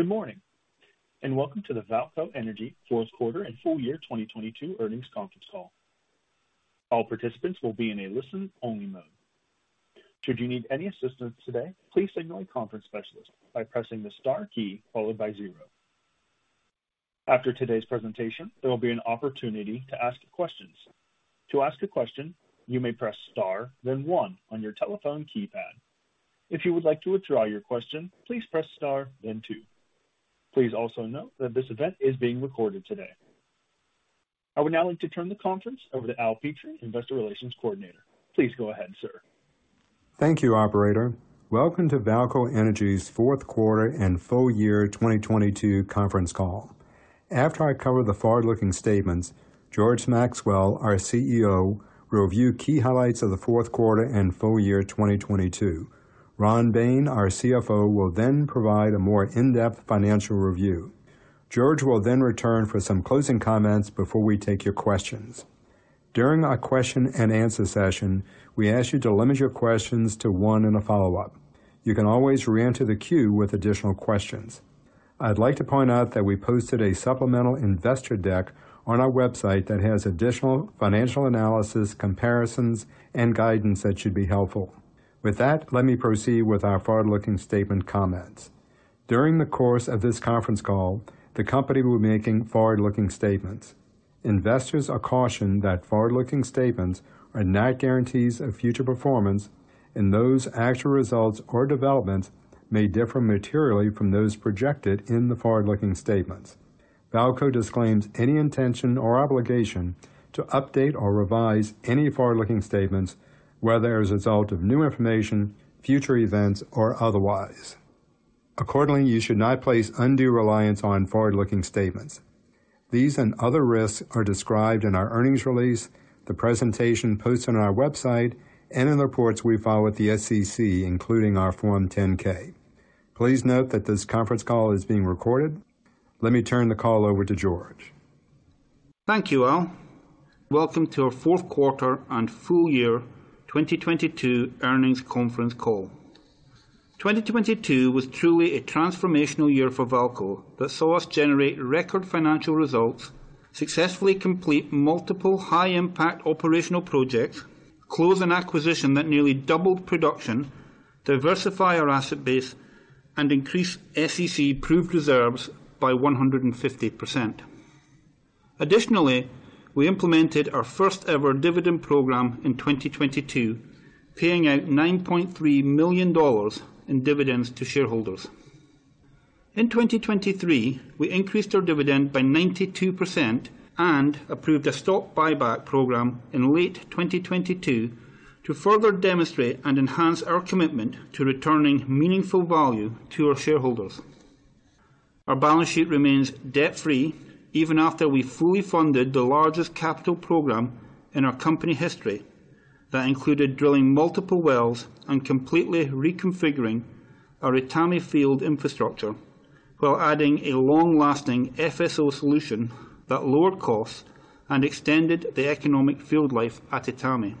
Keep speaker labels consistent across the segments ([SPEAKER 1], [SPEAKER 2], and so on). [SPEAKER 1] Good morning, and welcome to the VAALCO Energy Fourth Quarter and Full Year 2022 Earnings Conference Call. All participants will be in a listen-only mode. Should you need any assistance today, please signal a conference specialist by pressing the Star key followed by zero. After today's presentation, there will be an opportunity to ask questions. To ask a question, you may press Star then one on your telephone keypad. If you would like to withdraw your question, please press Star then two. Please also note that this event is being recorded today. I would now like to turn the conference over to Al Petrie, Investor Relations Coordinator. Please go ahead, sir.
[SPEAKER 2] Thank you, operator. Welcome to VAALCO Energy's fourth quarter and full year 2022 conference call. After I cover the forward-looking statements, George Maxwell, our CEO, will review key highlights of the fourth quarter and full year 2022. Ron Bain, our CFO, will then provide a more in-depth financial review. George will then return for some closing comments before we take your questions. During our question and answer session, we ask you to limit your questions to one and a follow-up. You can always re-enter the queue with additional questions. I'd like to point out that we posted a supplemental investor deck on our website that has additional financial analysis, comparisons, and guidance that should be helpful. With that, let me proceed with our forward-looking statement comments. During the course of this conference call, the company will be making forward-looking statements. Investors are cautioned that forward-looking statements are not guarantees of future performance and those actual results or developments may differ materially from those projected in the forward-looking statements. VAALCO disclaims any intention or obligation to update or revise any forward-looking statements, whether as a result of new information, future events, or otherwise. Accordingly, you should not place undue reliance on forward-looking statements. These and other risks are described in our earnings release, the presentation posted on our website, and in reports we file with the SEC, including our Form 10-K. Please note that this conference call is being recorded. Let me turn the call over to George.
[SPEAKER 3] Thank you, Al. Welcome to our fourth quarter and full year 2022 earnings conference call. 2022 was truly a transformational year for VAALCO that saw us generate record financial results, successfully complete multiple high-impact operational projects, close an acquisition that nearly doubled production, diversify our asset base, and increase SEC proved reserves by 150%. Additionally, we implemented our first-ever dividend program in 2022, paying out $9.3 million in dividends to shareholders. In 2023, we increased our dividend by 92% and approved a stock buyback program in late 2022 to further demonstrate and enhance our commitment to returning meaningful value to our shareholders. Our balance sheet remains debt-free even after we fully funded the largest capital program in our company history that included drilling multiple wells and completely reconfiguring our Etame field infrastructure while adding a long-lasting FSO solution that lowered costs and extended the economic field life at Etame.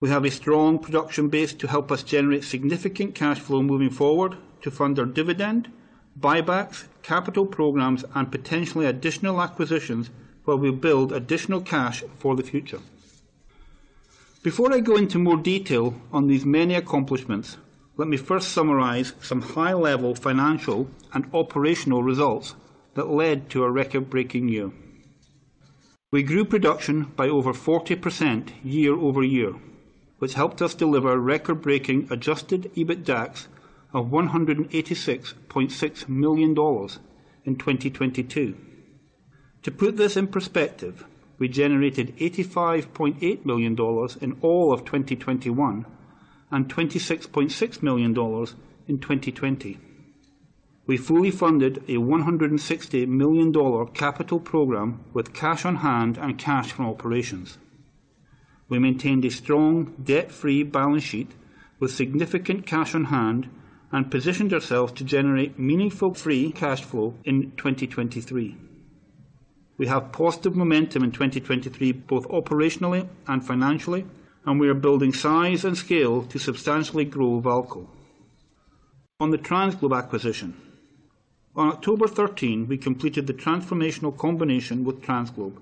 [SPEAKER 3] We have a strong production base to help us generate significant cash flow moving forward to fund our dividend, buybacks, capital programs, and potentially additional acquisitions while we build additional cash for the future. Before I go into more detail on these many accomplishments, let me first summarize some high-level financial and operational results that led to a record-breaking year. We grew production by over 40% year-over-year, which helped us deliver record-breaking Adjusted EBITDAX of $186.6 million in 2022. To put this in perspective, we generated $85.8 million in all of 2021 and $26.6 million in 2020. We fully funded a $160 million capital program with cash on hand and cash from operations. We maintained a strong debt-free balance sheet with significant cash on hand and positioned ourselves to generate meaningful free cash flow in 2023. We have positive momentum in 2023, both operationally and financially, and we are building size and scale to substantially grow VAALCO. On the TransGlobe acquisition. On October 13, we completed the transformational combination with TransGlobe,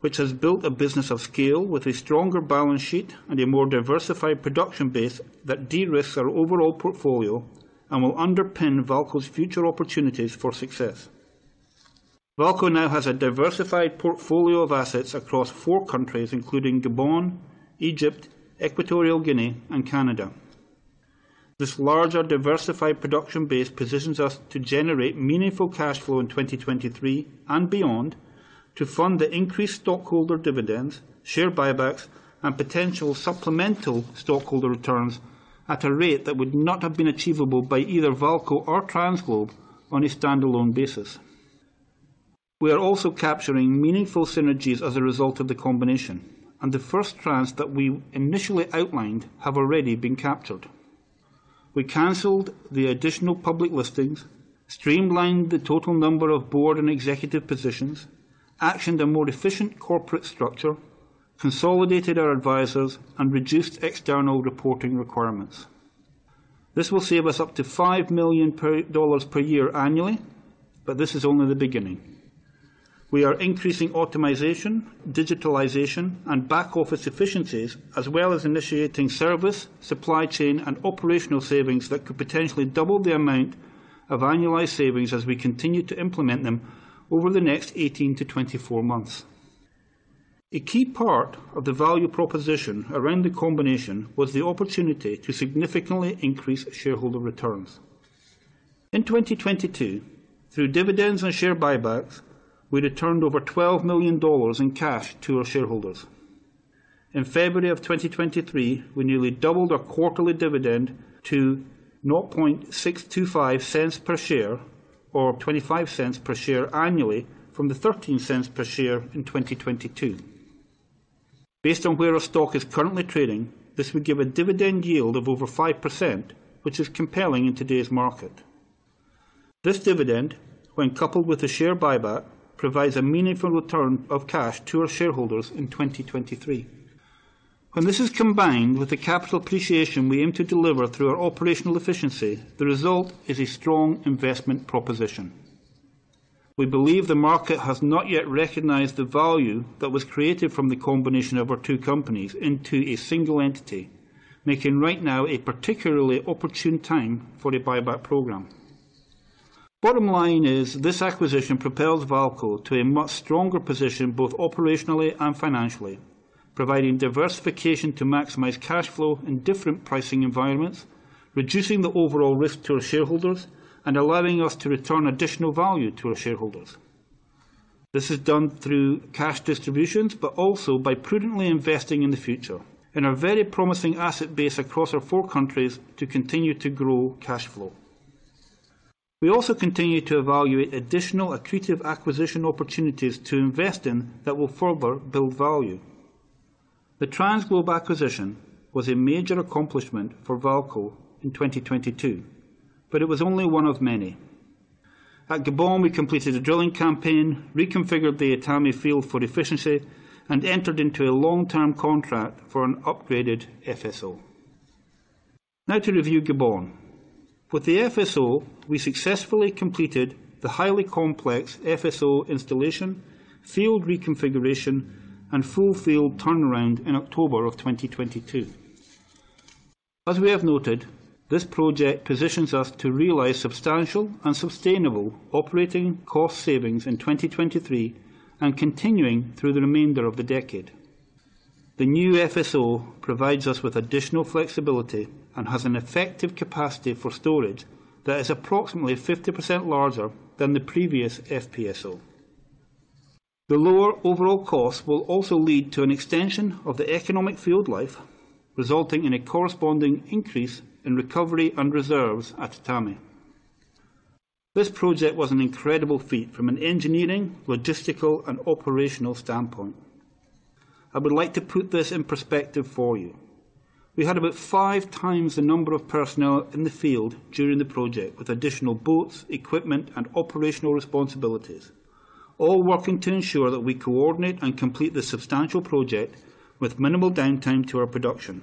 [SPEAKER 3] which has built a business of scale with a stronger balance sheet and a more diversified production base that de-risks our overall portfolio and will underpin VAALCO's future opportunities for success. VAALCO now has a diversified portfolio of assets across four countries, including Gabon, Egypt, Equatorial Guinea, and Canada. This larger diversified production base positions us to generate meaningful cash flow in 2023 and beyond to fund the increased stockholder dividends, share buybacks, and potential supplemental stockholder returns at a rate that would not have been achievable by either VAALCO or TransGlobe on a standalone basis. We are also capturing meaningful synergies as a result of the combination, and the first trans that we initially outlined have already been captured. We canceled the additional public listings, streamlined the total number of board and executive positions, actioned a more efficient corporate structure. Consolidated our advisors and reduced external reporting requirements. This will save us up to $5 million per year annually. This is only the beginning. We are increasing optimization, digitalization, and back office efficiencies, as well as initiating service, supply chain, and operational savings that could potentially double the amount of annualized savings as we continue to implement them over the next 18-24 months. A key part of the value proposition around the combination was the opportunity to significantly increase shareholder returns. In 2022, through dividends and share buybacks, we returned over $12 million in cash to our shareholders. In February of 2023, we nearly doubled our quarterly dividend to $0.00625 per share or $0.25 per share annually from the $0.13 per share in 2022. Based on where our stock is currently trading, this would give a dividend yield of over 5%, which is compelling in today's market. This dividend, when coupled with the share buyback, provides a meaningful return of cash to our shareholders in 2023. This is combined with the capital appreciation we aim to deliver through our operational efficiency, the result is a strong investment proposition. We believe the market has not yet recognized the value that was created from the combination of our two companies into a single entity, making right now a particularly opportune time for a buyback program. Bottom line is this acquisition propels VAALCO to a much stronger position, both operationally and financially, providing diversification to maximize cash flow in different pricing environments, reducing the overall risk to our shareholders, and allowing us to return additional value to our shareholders. This is done through cash distributions, but also by prudently investing in the future in our very promising asset base across our 4 countries to continue to grow cash flow. We also continue to evaluate additional accretive acquisition opportunities to invest in that will further build value. The TransGlobe acquisition was a major accomplishment for VAALCO in 2022, but it was only 1 of many. At Gabon, we completed a drilling campaign, reconfigured the Etame field for efficiency, and entered into a long-term contract for an upgraded FSO. To review Gabon. With the FSO, we successfully completed the highly complex FSO installation, field reconfiguration, and full field turnaround in October of 2022. As we have noted, this project positions us to realize substantial and sustainable operating cost savings in 2023 and continuing through the remainder of the decade. The new FSO provides us with additional flexibility and has an effective capacity for storage that is approximately 50% larger than the previous FPSO. The lower overall cost will also lead to an extension of the economic field life, resulting in a corresponding increase in recovery and reserves at Etame. This project was an incredible feat from an engineering, logistical, and operational standpoint. I would like to put this in perspective for you. We had about 5 times the number of personnel in the field during the project with additional boats, equipment, and operational responsibilities, all working to ensure that we coordinate and complete the substantial project with minimal downtime to our production.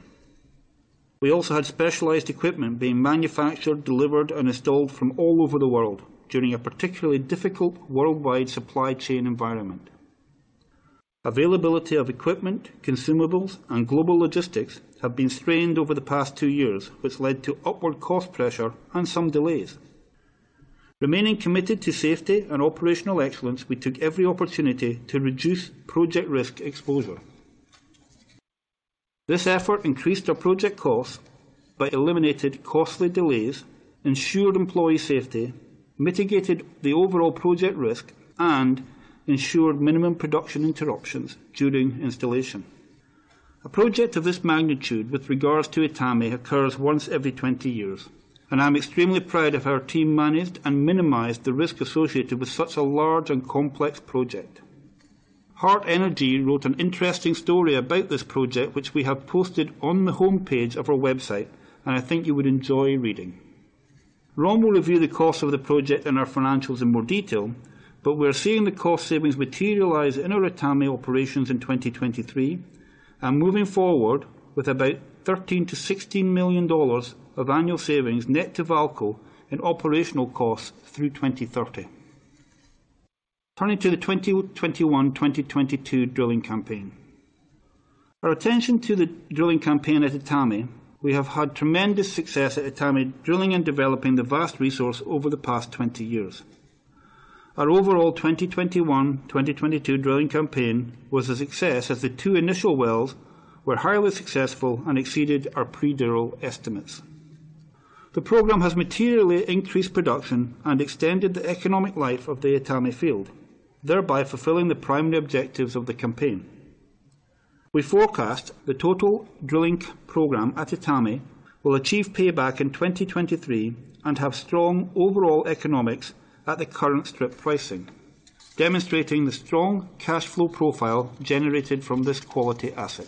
[SPEAKER 3] We also had specialized equipment being manufactured, delivered, and installed from all over the world during a particularly difficult worldwide supply chain environment. Availability of equipment, consumables, and global logistics have been strained over the past two years, which led to upward cost pressure and some delays. Remaining committed to safety and operational excellence, we took every opportunity to reduce project risk exposure. This effort increased our project costs, but eliminated costly delays, ensured employee safety, mitigated the overall project risk, and ensured minimum production interruptions during installation. A project of this magnitude with regards to Etame occurs once every 20 years, and I'm extremely proud of how our team managed and minimized the risk associated with such a large and complex project. Hart Energy wrote an interesting story about this project, which we have posted on the homepage of our website, and I think you would enjoy reading. Ron will review the cost of the project and our financials in more detail, but we're seeing the cost savings materialize in our Etame operations in 2023 and moving forward with about $13 million-$16 million of annual savings net to VAALCO in operational costs through 2030. Turning to the 2021/2022 drilling campaign. Our attention to the drilling campaign at Etame, we have had tremendous success at Etame drilling and developing the vast resource over the past 20 years. Our overall 2021/2022 drilling campaign was a success as the 2 initial wells were highly successful and exceeded our pre-drill estimates. The program has materially increased production and extended the economic life of the Etame field, thereby fulfilling the primary objectives of the campaign. We forecast the total drilling program at Etame will achieve payback in 2023 and have strong overall economics at the current strip pricing, demonstrating the strong cash flow profile generated from this quality asset.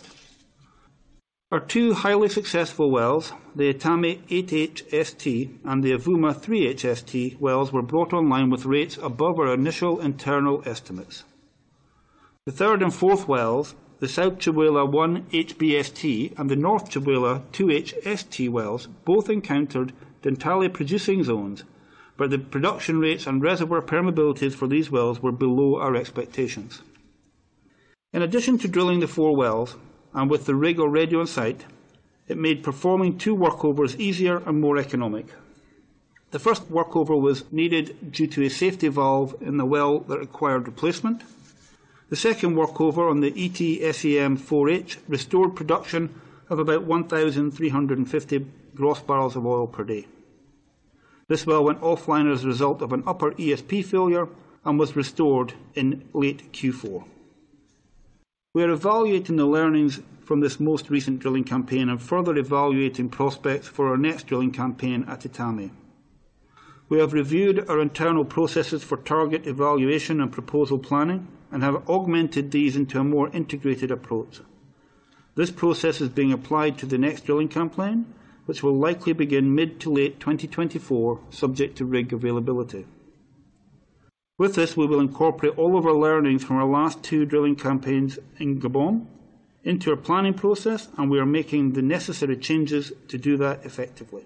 [SPEAKER 3] Our two highly successful wells, the Etame 8H-ST and the Avouma 3H-ST wells, were brought online with rates above our initial internal estimates. The third and fourth wells, the South Tchibula 1H-ST and the North Tchibula 2H-ST wells, both encountered Dentale producing zones, but the production rates and reservoir permeabilities for these wells were below our expectations. In addition to drilling the four wells and with the rig already on site, it made performing two workovers easier and more economic. The first workover was needed due to a safety valve in the well that required replacement. The second workover on the Southeast Etame 4H restored production of about 1,350 gross barrels of oil per day. This well went offline as a result of an upper ESP failure and was restored in late Q4. We are evaluating the learnings from this most recent drilling campaign and further evaluating prospects for our next drilling campaign at Etame. We have reviewed our internal processes for target evaluation and proposal planning and have augmented these into a more integrated approach. This process is being applied to the next drilling campaign, which will likely begin mid to late 2024, subject to rig availability. We will incorporate all of our learnings from our last two drilling campaigns in Gabon into our planning process, and we are making the necessary changes to do that effectively.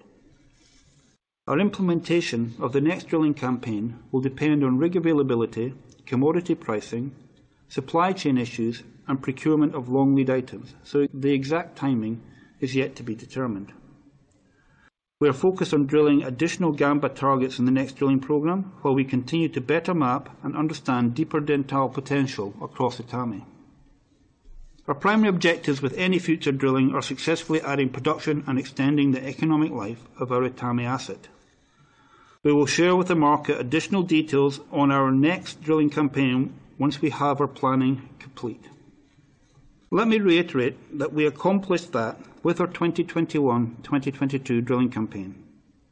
[SPEAKER 3] Our implementation of the next drilling campaign will depend on rig availability, commodity pricing, supply chain issues, and procurement of long lead items, so the exact timing is yet to be determined. We are focused on drilling additional Gamba targets in the next drilling program while we continue to better map and understand deeper Dentale potential across Etame. Our primary objectives with any future drilling are successfully adding production and extending the economic life of our Etame asset. We will share with the market additional details on our next drilling campaign once we have our planning complete. Let me reiterate that we accomplished that with our 2021, 2022 drilling campaign,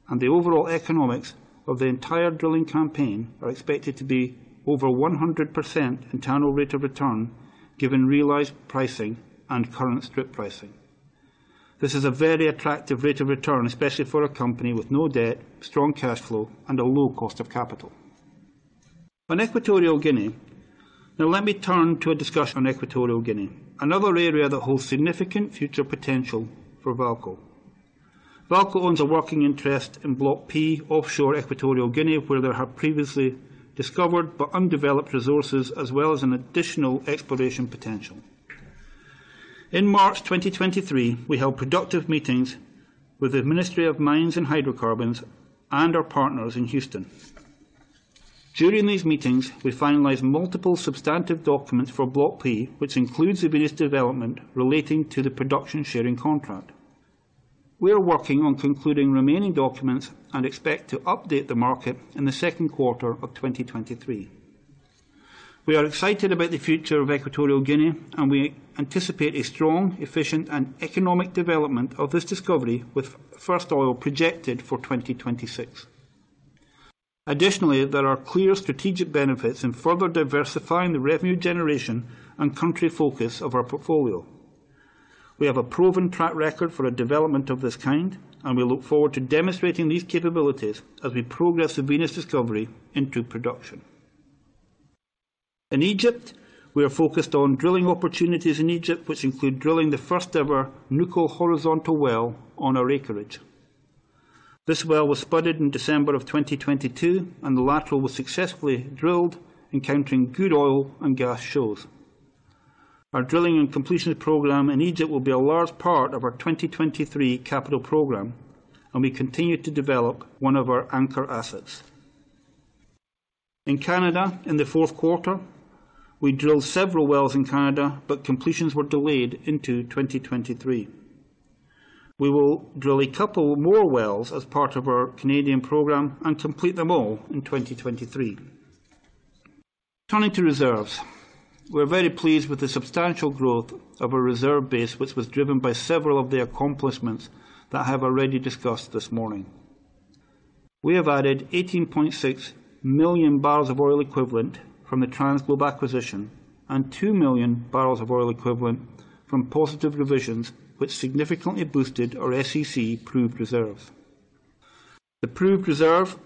[SPEAKER 3] and the overall economics of the entire drilling campaign are expected to be over 100% internal rate of return, given realized pricing and current strip pricing. This is a very attractive rate of return, especially for a company with no debt, strong cash flow, and a low cost of capital. On Equatorial Guinea. Let me turn to a discussion on Equatorial Guinea, another area that holds significant future potential for VAALCO. VAALCO owns a working interest in Block P offshore Equatorial Guinea, where there have previously discovered but undeveloped resources as well as an additional exploration potential. In March 2023, we held productive meetings with the Ministry of Mines and Hydrocarbons and our partners in Houston. During these meetings, we finalized multiple substantive documents for Block P, which includes the various development relating to the production sharing contract. We are working on concluding remaining documents and expect to update the market in the second quarter of 2023. We are excited about the future of Equatorial Guinea, and we anticipate a strong, efficient, and economic development of this discovery with first oil projected for 2026. Additionally, there are clear strategic benefits in further diversifying the revenue generation and country focus of our portfolio. We have a proven track record for a development of this kind, and we look forward to demonstrating these capabilities as we progress the Venus Discovery into production. In Egypt, we are focused on drilling opportunities in Egypt, which include drilling the first-ever Nukhul horizontal well on our acreage. This well was spudded in December of 2022, and the lateral was successfully drilled, encountering good oil and gas shows. Our drilling and completion program in Egypt will be a large part of our 2023 capital program, and we continue to develop one of our anchor assets. In Canada, in the fourth quarter, we drilled several wells in Canada, but completions were delayed into 2023. We will drill a couple more wells as part of our Canadian program and complete them all in 2023. Turning to reserves. We're very pleased with the substantial growth of our reserve base, which was driven by several of the accomplishments that I have already discussed this morning. We have added 18.6 million barrels of oil equivalent from the TransGlobe acquisition and 2 million barrels of oil equivalent from positive revisions, which significantly boosted our SEC proved reserves. The proved reserve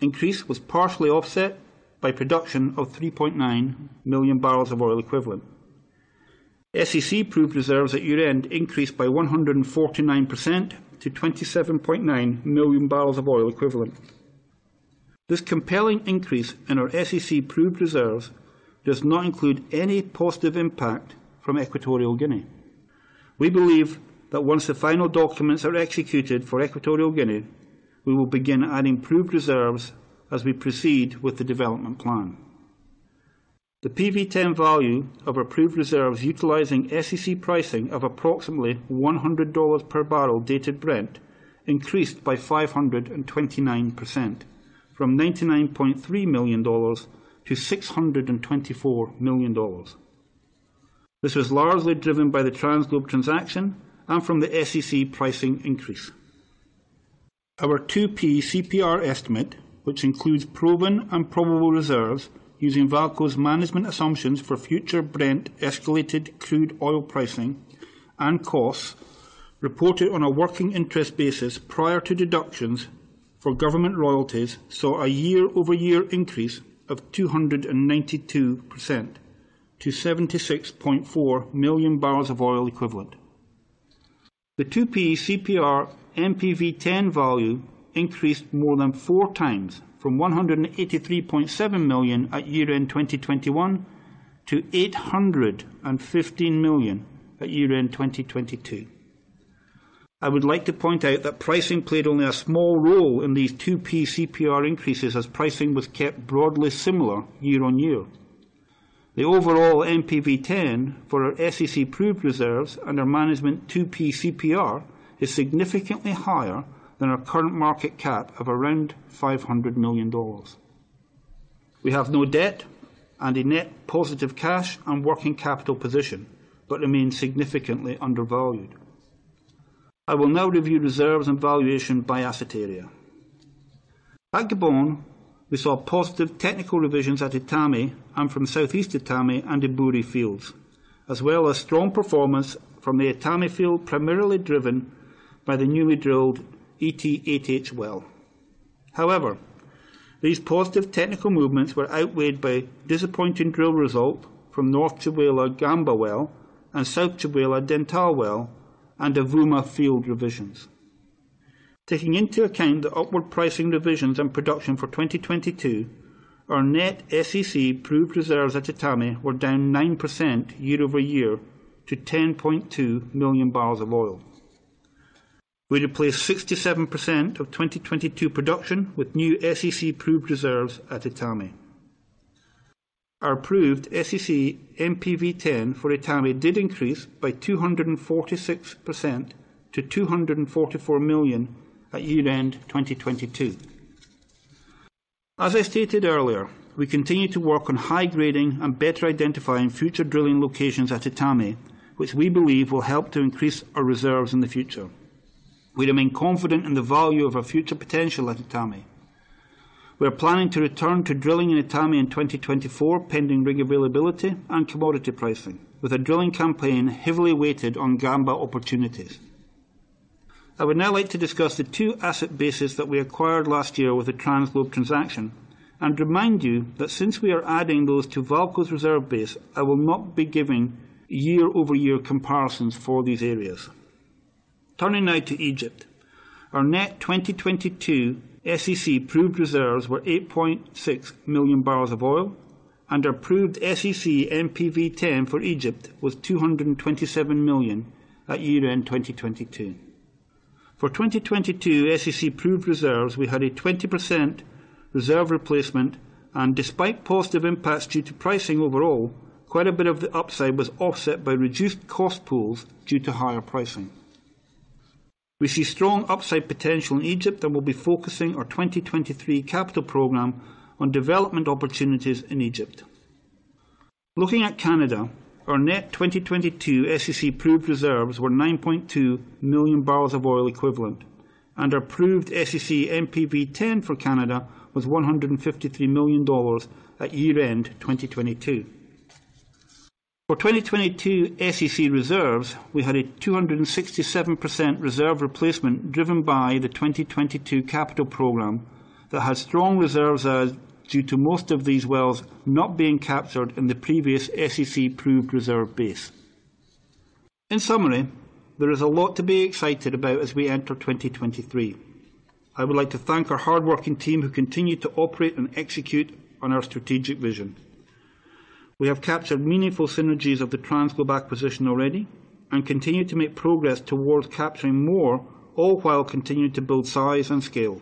[SPEAKER 3] increase was partially offset by production of 3.9 million barrels of oil equivalent. SEC proved reserves at year-end increased by 149% to 27.9 million barrels of oil equivalent. This compelling increase in our SEC proved reserves does not include any positive impact from Equatorial Guinea. We believe that once the final documents are executed for Equatorial Guinea, we will begin adding proved reserves as we proceed with the development plan. The PV-10 value of our proved reserves utilizing SEC pricing of approximately $100 per barrel dated Brent increased by 529% from $99.3 million to $624 million. This was largely driven by the TransGlobe transaction and from the SEC pricing increase. Our 2P CPR estimate, which includes proven and probable reserves using VAALCO's management assumptions for future Brent escalated crude oil pricing and costs reported on a working interest basis prior to deductions for government royalties, saw a year-over-year increase of 292% to 76.4 million barrels of oil equivalent. The 2P CPR NPV10 value increased more than 4 times from $183.7 million at year-end 2021 to $815 million at year-end 2022. I would like to point out that pricing played only a small role in these 2P CPR increases as pricing was kept broadly similar year-on-year. The overall NPV10 for our SEC proved reserves under management 2P CPR is significantly higher than our current market cap of around $500 million. We have no debt and a net positive cash and working capital position, remain significantly undervalued. I will now review reserves and valuation by asset area. At Gabon, we saw positive technical revisions at Etame and from Southeast Etame and Ebouri fields, as well as strong performance from the Etame field, primarily driven by the newly drilled ET-8H well. These positive technical movements were outweighed by disappointing drill result from North Tchibala Gamba well and South Tchibala Dentale well and the Avouma field revisions. Taking into account the upward pricing revisions and production for 2022, our net SEC proved reserves at Etame were down 9% year-over-year to 10.2 million barrels of oil. We replaced 67% of 2022 production with new SEC proved reserves at Etame. Our proved SEC NPV10 for Etame did increase by 246% to $244 million at year-end 2022. As I stated earlier, we continue to work on high grading and better identifying future drilling locations at Etame, which we believe will help to increase our reserves in the future. We remain confident in the value of our future potential at Etame. We are planning to return to drilling in Etame in 2024, pending rig availability and commodity pricing with a drilling campaign heavily weighted on Gamba opportunities. I would now like to discuss the two asset bases that we acquired last year with the TransGlobe transaction and remind you that since we are adding those to VAALCO's reserve base, I will not be giving year-over-year comparisons for these areas. Turning now to Egypt. Our net 2022 SEC proved reserves were 8.6 million barrels of oil, and our proved SEC NPV10 for Egypt was $227 million at year-end 2022. 2022 SEC proved reserves, we had a 20% reserve replacement. Despite positive impacts due to pricing overall, quite a bit of the upside was offset by reduced cost pools due to higher pricing. We see strong upside potential in Egypt and will be focusing our 2023 capital program on development opportunities in Egypt. Looking at Canada, our net 2022 SEC proved reserves were 9.2 million BOE, and our proved SEC NPV10 for Canada was $153 million at year-end 2022. For 2022 SEC reserves, we had a 267% reserve replacement driven by the 2022 capital program that has strong reserves as due to most of these wells not being captured in the previous SEC proved reserve base. In summary, there is a lot to be excited about as we enter 2023. I would like to thank our hardworking team who continue to operate and execute on our strategic vision. We have captured meaningful synergies of the TransGlobe acquisition already and continue to make progress towards capturing more, all while continuing to build size and scale.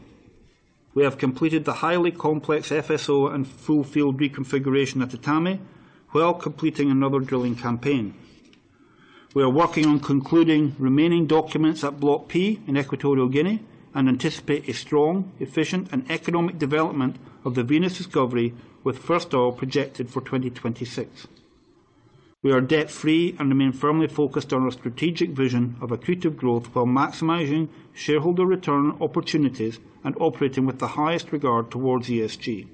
[SPEAKER 3] We have completed the highly complex FSO and full field reconfiguration at Etame while completing another drilling campaign. We are working on concluding remaining documents at Block P in Equatorial Guinea and anticipate a strong, efficient, and economic development of the Venus discovery with first oil projected for 2026. We are debt-free and remain firmly focused on our strategic vision of accretive growth while maximizing shareholder return opportunities and operating with the highest regard towards ESG.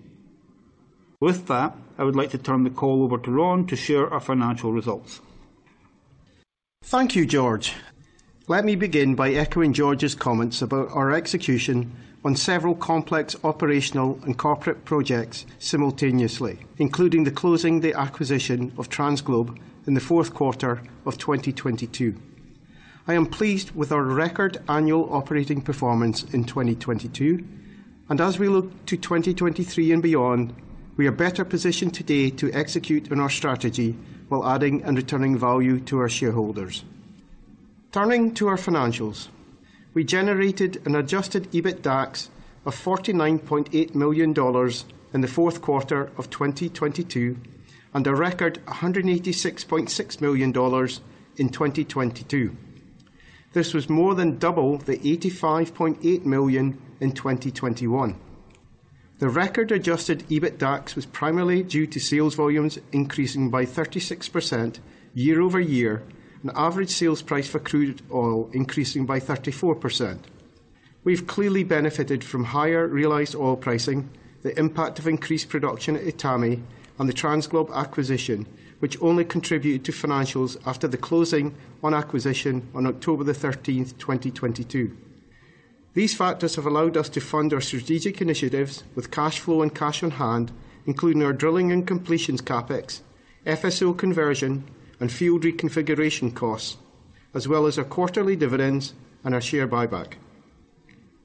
[SPEAKER 3] With that, I would like to turn the call over to Ron to share our financial results.
[SPEAKER 4] Thank you, George. Let me begin by echoing George's comments about our execution on several complex operational and corporate projects simultaneously, including the closing the acquisition of TransGlobe in the fourth quarter of 2022. I am pleased with our record annual operating performance in 2022. As we look to 2023 and beyond, we are better positioned today to execute on our strategy while adding and returning value to our shareholders. Turning to our financials. We generated an Adjusted EBITDAX of $49.8 million in the fourth quarter of 2022, a record $186.6 million in 2022. This was more than double the $85.8 million in 2021. The record Adjusted EBITDAX was primarily due to sales volumes increasing by 36% year-over-year and average sales price of crude oil increasing by 34%. We've clearly benefited from higher realized oil pricing, the impact of increased production at Etame and the TransGlobe acquisition, which only contributed to financials after the closing on acquisition on October 13, 2022. These factors have allowed us to fund our strategic initiatives with cash flow and cash on hand, including our drilling and completions CapEx, FSO conversion and field reconfiguration costs, as well as our quarterly dividends and our share buyback.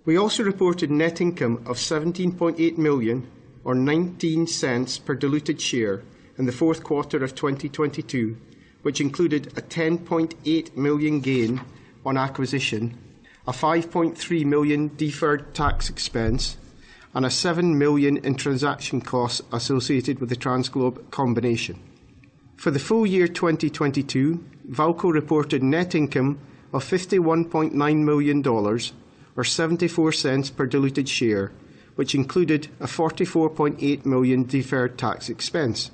[SPEAKER 4] We also reported net income of $17.8 million or $0.19 per diluted share in the fourth quarter of 2022, which included a $10.8 million gain on acquisition, a $5.3 million deferred tax expense, and a $7 million in transaction costs associated with the TransGlobe combination. For the full year 2022, VAALCO reported net income of $51.9 million or $0.74 per diluted share, which included a $44.8 million deferred tax expense,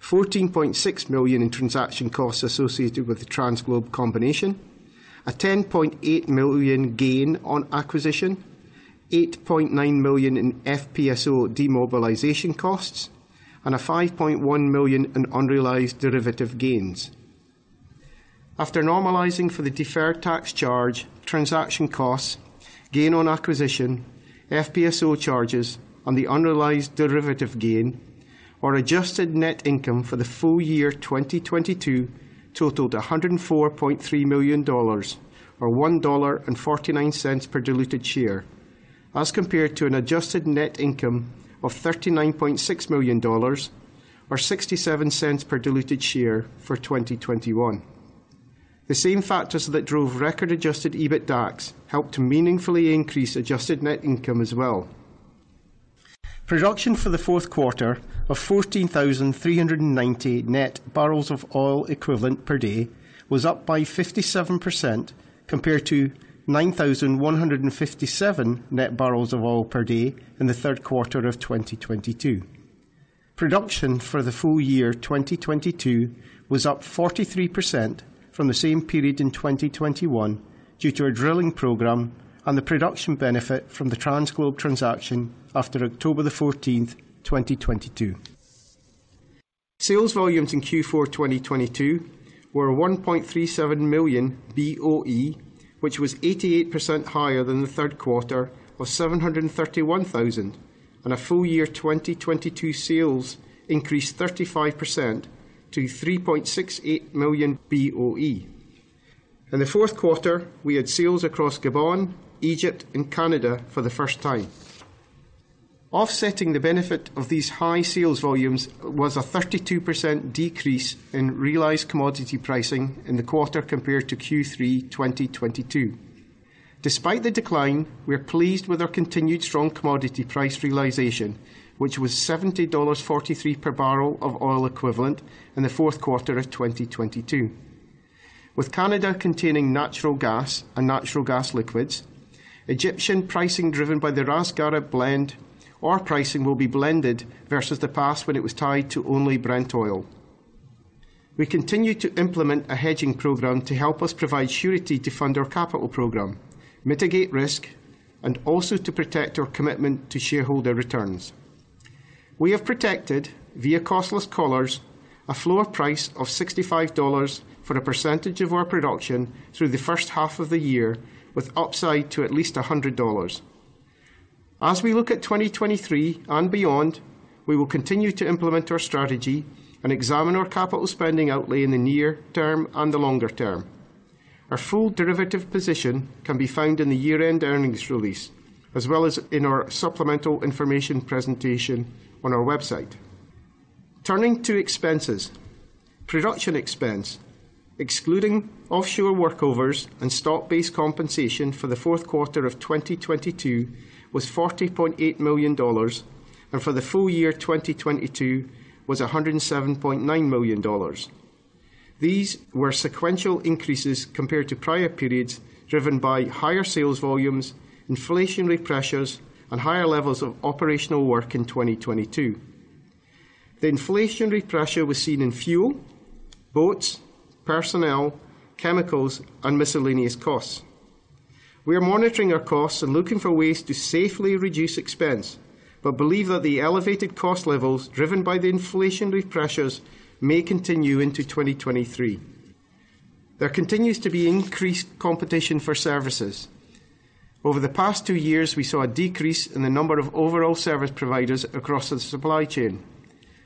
[SPEAKER 4] $14.6 million in transaction costs associated with the TransGlobe combination, a $10.8 million gain on acquisition, $8.9 million in FPSO demobilization costs, and a $5.1 million in unrealized derivative gains. After normalizing for the deferred tax charge, transaction costs, gain on acquisition, FPSO charges, and the unrealized derivative gain, our adjusted net income for the full year 2022 totaled $104.3 million or $1.49 per diluted share as compared to an adjusted net income of $39.6 million or $0.67 per diluted share for 2021. The same factors that drove record-Adjusted EBITDAX helped to meaningfully increase adjusted net income as well. Production for the fourth quarter of 14,390 net barrels of oil equivalent per day was up by 57% compared to 9,157 net barrels of oil per day in the third quarter of 2022. Production for the full year 2022 was up 43% from the same period in 2021 due to our drilling program and the production benefit from the TransGlobe transaction after October 14, 2022. Sales volumes in Q4 2022 were 1.37 million BOE, which was 88% higher than the third quarter of 731,000, a full year 2022 sales increased 35% to 3.68 million BOE. In the fourth quarter, we had sales across Gabon, Egypt and Canada for the first time. Offsetting the benefit of these high sales volumes was a 32% decrease in realized commodity pricing in the quarter compared to Q3 2022. Despite the decline, we are pleased with our continued strong commodity price realization, which was $70.43 per barrel of oil equivalent in the fourth quarter of 2022. With Canada containing natural gas and natural gas liquids, Egyptian pricing driven by the Ras Gharib blend, our pricing will be blended versus the past when it was tied to only Brent oil. We continue to implement a hedging program to help us provide surety to fund our capital program, mitigate risk, and also to protect our commitment to shareholder returns. We have protected, via costless collars, a floor price of $65 for a percentage of our production through the first half of the year, with upside to at least $100. We look at 2023 and beyond, we will continue to implement our strategy and examine our capital spending outlay in the near term and the longer term. Our full derivative position can be found in the year-end earnings release, as well as in our supplemental information presentation on our website. Turning to expenses. Production expense, excluding offshore workovers and stock-based compensation for the fourth quarter of 2022 was $40.8 million, and for the full year 2022 was $107.9 million. These were sequential increases compared to prior periods, driven by higher sales volumes, inflationary pressures, and higher levels of operational work in 2022. The inflationary pressure was seen in fuel, boats, personnel, chemicals, and miscellaneous costs. We are monitoring our costs and looking for ways to safely reduce expense, but believe that the elevated cost levels driven by the inflationary pressures may continue into 2023. There continues to be increased competition for services. Over the past 2 years, we saw a decrease in the number of overall service providers across the supply chain.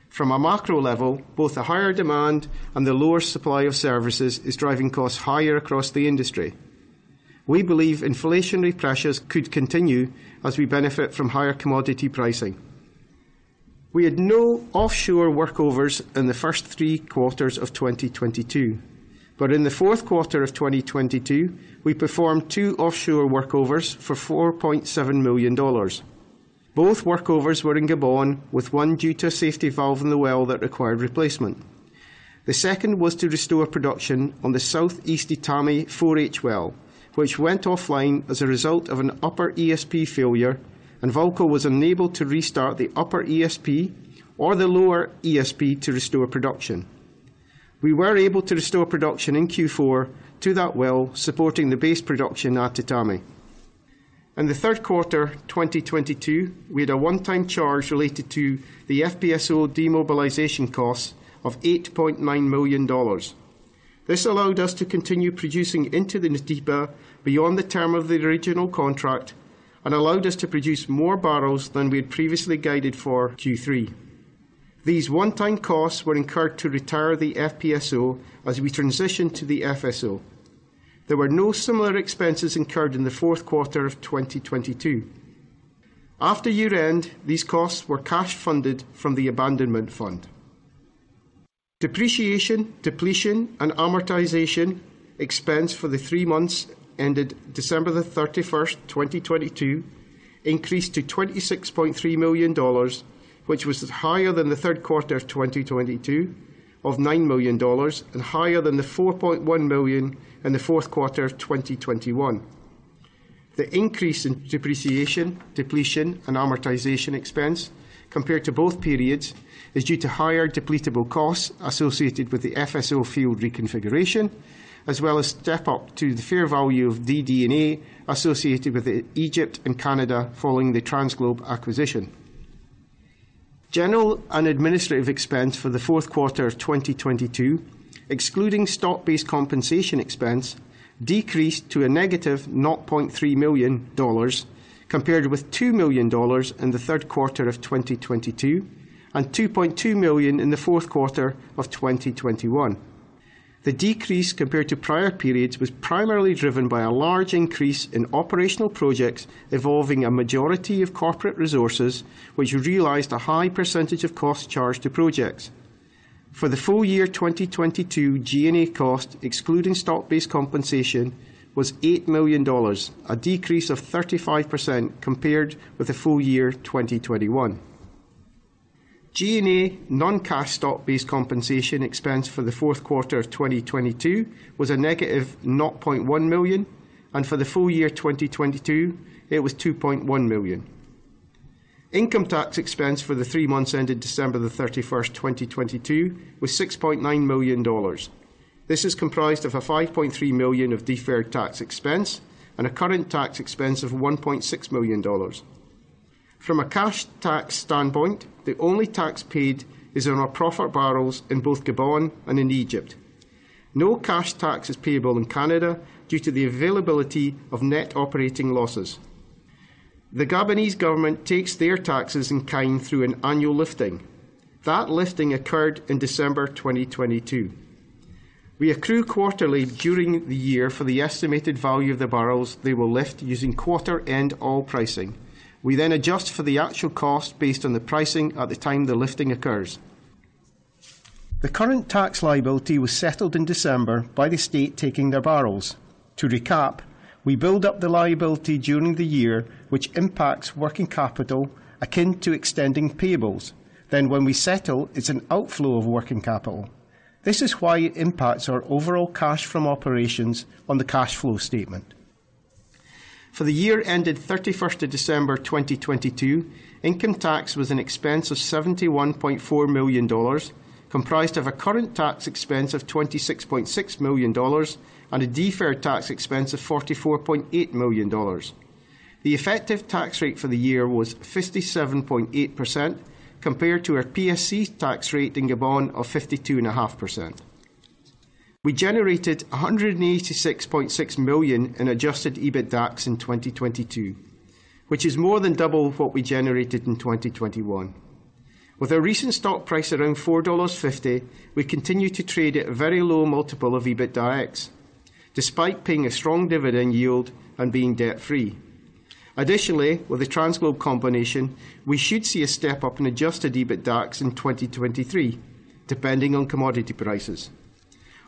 [SPEAKER 4] From a macro level, both the higher demand and the lower supply of services is driving costs higher across the industry. We believe inflationary pressures could continue as we benefit from higher commodity pricing. We had no offshore workovers in the first 3 quarters of 2022, but in the fourth quarter of 2022, we performed 2 offshore workovers for $4.7 million. Both workovers were in Gabon, with one due to a safety valve in the well that required replacement. The second was to restore production on the Southeast Etame 4H well, which went offline as a result of an upper ESP failure. VAALCO was unable to restart the upper ESP or the lower ESP to restore production. We were able to restore production in Q4 to that well, supporting the base production at Etame. In the third quarter 2022, we had a one-time charge related to the FPSO demobilization costs of $8.9 million. This allowed us to continue producing into the Nautipa beyond the term of the original contract and allowed us to produce more barrels than we had previously guided for Q3. These one-time costs were incurred to retire the FPSO as we transitioned to the FSO. There were no similar expenses incurred in the fourth quarter of 2022. After year-end, these costs were cash funded from the abandonment fund. Depreciation, depletion, and amortization expense for the three months ended December 31, 2022 increased to $26.3 million, which was higher than the third quarter of 2022 of $9 million and higher than the $4.1 million in the fourth quarter of 2021. The increase in depreciation, depletion, and amortization expense compared to both periods is due to higher depletable costs associated with the FSO field reconfiguration, as well as step up to the fair value of DD&A associated with Egypt and Canada following the TransGlobe acquisition. General and administrative expense for the fourth quarter of 2022, excluding stock-based compensation expense, decreased to -$0.3 million compared with $2 million in the third quarter of 2022 and $2.2 million in the fourth quarter of 2021. The decrease compared to prior periods was primarily driven by a large increase in operational projects involving a majority of corporate resources, which realized a high percentage of costs charged to projects. For the full year 2022, G&A cost, excluding stock-based compensation, was $8 million, a decrease of 35% compared with the full year 2021. G&A non-cash stock-based compensation expense for the fourth quarter of 2022 was -$0.1 million, and for the full year 2022, it was $2.1 million. Income tax expense for the 3 months ended December 31st, 2022 was $6.9 million. This is comprised of a $5.3 million of deferred tax expense and a current tax expense of $1.6 million. From a cash tax standpoint, the only tax paid is on our profit barrels in both Gabon and in Egypt. No cash tax is payable in Canada due to the availability of net operating losses. The Gabonese government takes their taxes in kind through an annual lifting. That lifting occurred in December 2022. We accrue quarterly during the year for the estimated value of the barrels they will lift using quarter-end oil pricing. We then adjust for the actual cost based on the pricing at the time the lifting occurs. The current tax liability was settled in December by the state taking their barrels. To recap, we build up the liability during the year, which impacts working capital akin to extending payables. When we settle, it's an outflow of working capital. This is why it impacts our overall cash from operations on the cash flow statement. For the year ended 31st of December, 2022, income tax was an expense of $71.4 million, comprised of a current tax expense of $26.6 million and a deferred tax expense of $44.8 million. The effective tax rate for the year was 57.8% compared to our PSC tax rate in Gabon of 52.5%. We generated $186.6 million in Adjusted EBITDAX in 2022, which is more than double what we generated in 2021. With our recent stock price around $4.50, we continue to trade at a very low multiple of Adjusted EBITDAX, despite paying a strong dividend yield and being debt-free. With the TransGlobe combination, we should see a step up in Adjusted EBITDAX in 2023, depending on commodity prices.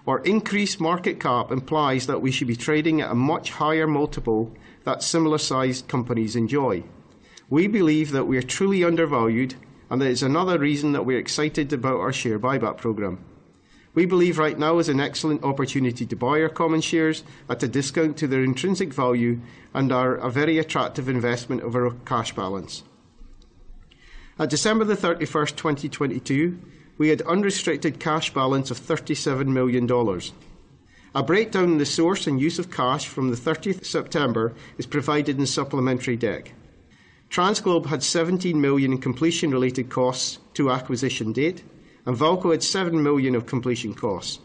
[SPEAKER 4] Our increased market cap implies that we should be trading at a much higher multiple that similar-sized companies enjoy. We believe that we are truly undervalued, and that is another reason that we're excited about our share buyback program. We believe right now is an excellent opportunity to buy our common shares at a discount to their intrinsic value and are a very attractive investment of our cash balance. At December 31, 2022, we had unrestricted cash balance of $37 million. A breakdown in the source and use of cash from the 30th September is provided in the supplementary deck. TransGlobe had $17 million in completion-related costs to acquisition date, and VAALCO had $7 million of completion costs.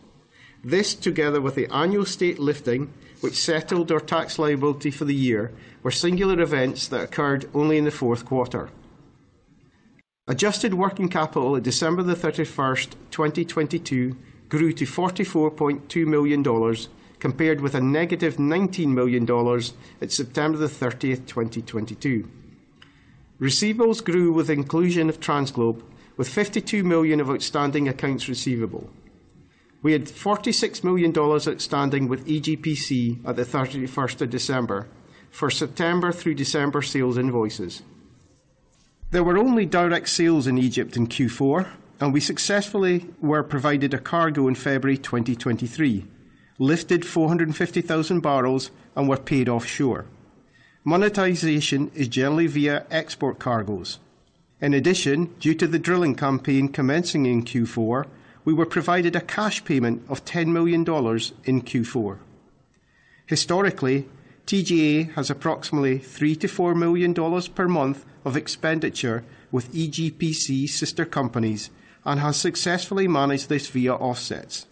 [SPEAKER 4] This, together with the annual state lifting, which settled our tax liability for the year, were singular events that occurred only in the fourth quarter. Adjusted working capital at December 31, 2022 grew to $44.2 million compared with a negative $19 million at September 30, 2022. Receivables grew with the inclusion of TransGlobe, with $52 million of outstanding accounts receivable. We had $46 million outstanding with EGPC at the 31st of December for September through December sales invoices. There were only direct sales in Egypt in Q4. We successfully were provided a cargo in February 2023, lifted 450,000 barrels, and were paid offshore. Monetization is generally via export cargoes. Due to the drilling campaign commencing in Q4, we were provided a cash payment of $10 million in Q4. Historically, TGA has approximately $3 million-$4 million per month of expenditure with EGPC sister companies and has successfully managed this via offsets.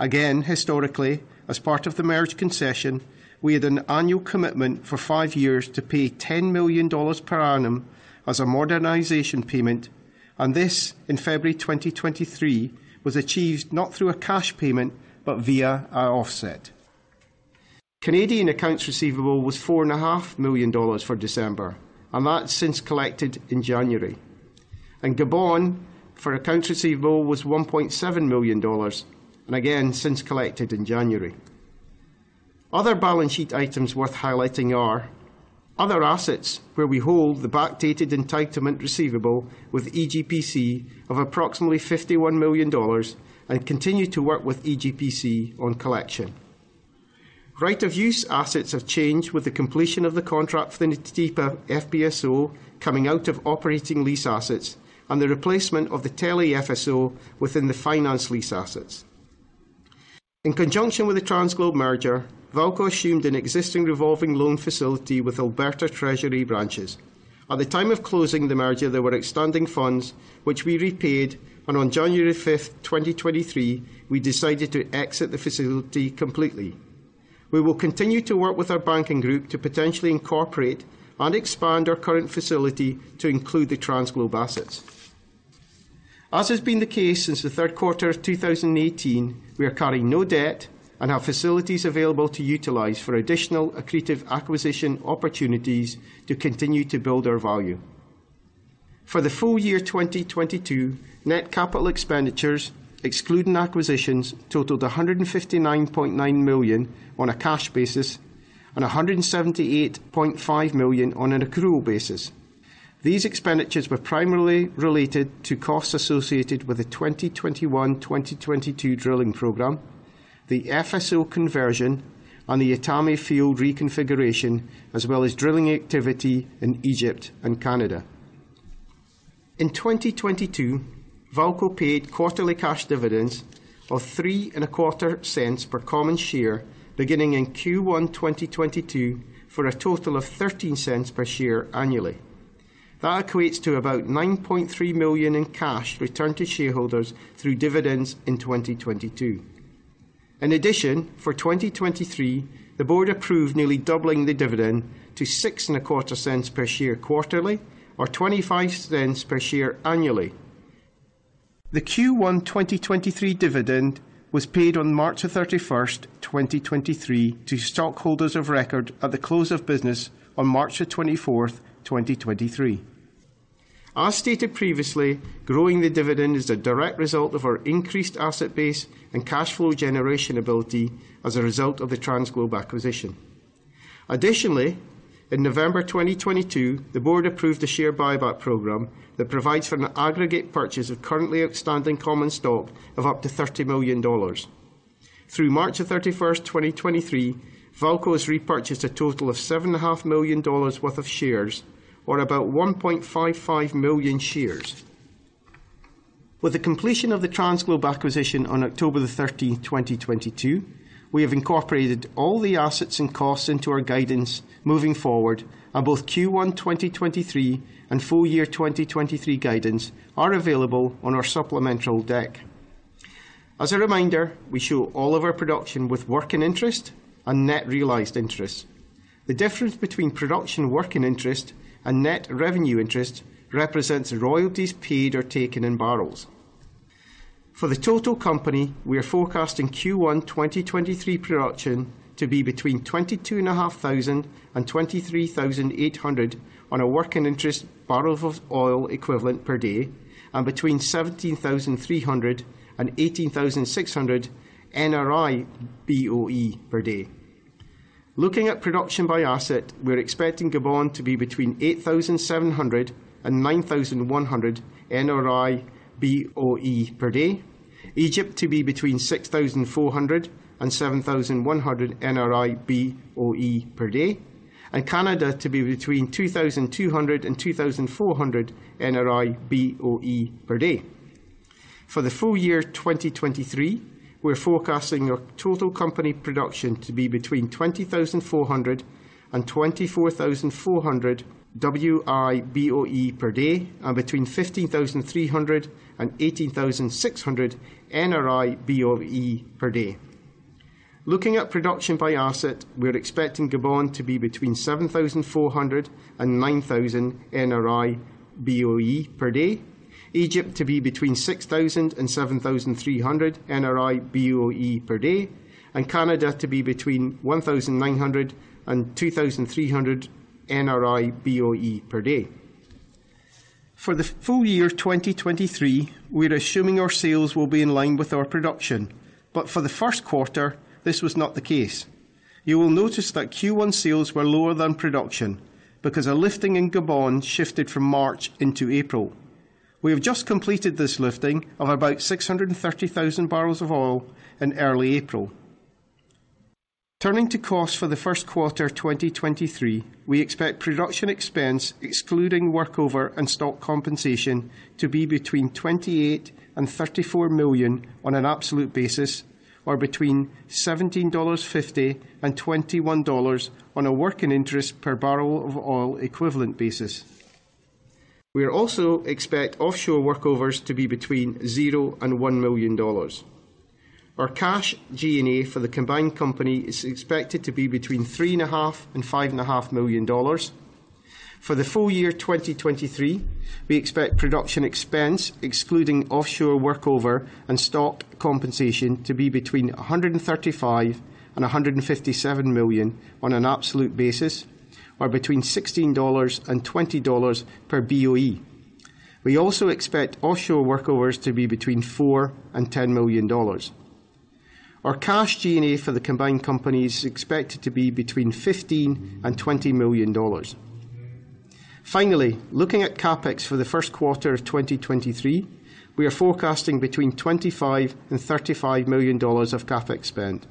[SPEAKER 4] Historically, as part of the merge concession, we had an annual commitment for 5 years to pay $10 million per annum as a modernization payment, and this in February 2023 was achieved not through a cash payment but via our offset. Canadian accounts receivable was $4.5 million for December, that since collected in January. In Gabon, for accounts receivable was $1.7 million, again, since collected in January. Other balance sheet items worth highlighting are other assets where we hold the backdated entitlement receivable with EGPC of approximately $51 million continue to work with EGPC on collection. right-of-use assets have changed with the completion of the contract for the Nautipa FPSO coming out of operating lease assets the replacement of the Teli FSO within the finance lease assets. In conjunction with the TransGlobe merger, VAALCO assumed an existing revolving loan facility with Alberta Treasury Branches. At the time of closing the merger, there were outstanding funds which we repaid, on January 5, 2023, we decided to exit the facility completely. We will continue to work with our banking group to potentially incorporate and expand our current facility to include the TransGlobe assets. As has been the case since the third quarter of 2018, we are carrying no debt and have facilities available to utilize for additional accretive acquisition opportunities to continue to build our value. For the full year 2022, net capital expenditures, excluding acquisitions, totaled $159.9 million on a cash basis and $178.5 million on an accrual basis. These expenditures were primarily related to costs associated with the 2021/2022 drilling program, the FSO conversion, and the Itami field reconfiguration, as well as drilling activity in Egypt and Canada. In 2022, VAALCO paid quarterly cash dividends of three and a quarter cents per common share beginning in Q1 2022 for a total of $0.13 per share annually. That equates to about $9.3 million in cash returned to shareholders through dividends in 2022. In addition, for 2023, the board approved nearly doubling the dividend to six and a quarter cents per share quarterly or $0.25 per share annually. The Q1 2023 dividend was paid on March the 31st, 2023 to stockholders of record at the close of business on March the 24th, 2023. As stated previously, growing the dividend is a direct result of our increased asset base and cash flow generation ability as a result of the TransGlobe acquisition. Additionally, in November 2022, the board approved a share buyback program that provides for an aggregate purchase of currently outstanding common stock of up to $30 million. Through March 31, 2023, VAALCO has repurchased a total of seven and a half million dollars worth of shares or about 1.55 million shares. With the completion of the TransGlobe acquisition on October 13, 2022, we have incorporated all the assets and costs into our guidance moving forward, and both Q1 2023 and full year 2023 guidance are available on our supplemental deck. As a reminder, we show all of our production with working interest and net revenue interest. The difference between production working interest and net revenue interest represents royalties paid or taken in barrels. For the total company, we are forecasting Q1 2023 production to be between 22,500 and 23,800 on a work in interest BOE per day and between 17,300 and 18,600 NRI BOE per day. Looking at production by asset, we're expecting Gabon to be between 8,700 and 9,100 NRI BOE per day, Egypt to be between 6,400 and 7,100 NRI BOE per day, and Canada to be between 2,200 and 2,400 NRI BOE per day. For the full year 2023, we're forecasting our total company production to be between 20,400 and 24,400 WI BOE per day and between 15,300 and 18,600 NRI BOE per day. Looking at production by asset, we're expecting Gabon to be between 7,400 and 9,000 NRI BOE per day, Egypt to be between 6,000 and 7,300 NRI BOE per day, and Canada to be between 1,900 and 2,300 NRI BOE per day. For the full year 2023, we're assuming our sales will be in line with our production. For the 1st quarter, this was not the case. You will notice that Q1 sales were lower than production because a lifting in Gabon shifted from March into April. We have just completed this lifting of about 630,000 barrels of oil in early April. Turning to costs for the first quarter 2023, we expect production expense, excluding workover and stock compensation, to be between $28 million and $34 million on an absolute basis or between $17.50 and $21 on a working interest per barrel of oil equivalent basis. We also expect offshore workovers to be between $0 and $1 million. Our cash G&A for the combined company is expected to be between three and a half and five and a half million dollars. For the full year 2023, we expect production expense, excluding offshore workover and stock compensation, to be between $135 million and $157 million on an absolute basis or between $16 and $20 per BOE. We also expect offshore workovers to be between $4 million and $10 million. Our cash G&A for the combined company is expected to be between $15 million and $20 million. Finally, looking at CapEx for the first quarter of 2023, we are forecasting between $25 million and $35 million of CapEx spend.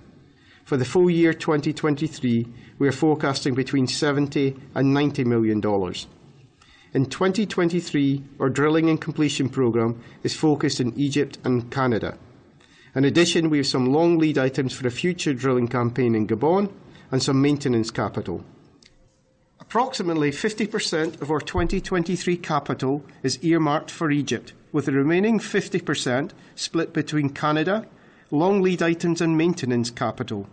[SPEAKER 4] For the full year 2023, we are forecasting between $70 million and $90 million. In 2023, our drilling and completion program is focused in Egypt and Canada. In addition, we have some long lead items for a future drilling campaign in Gabon and some maintenance capital. Approximately 50% of our 2023 capital is earmarked for Egypt, with the remaining 50% split between Canada, long lead items and maintenance capital.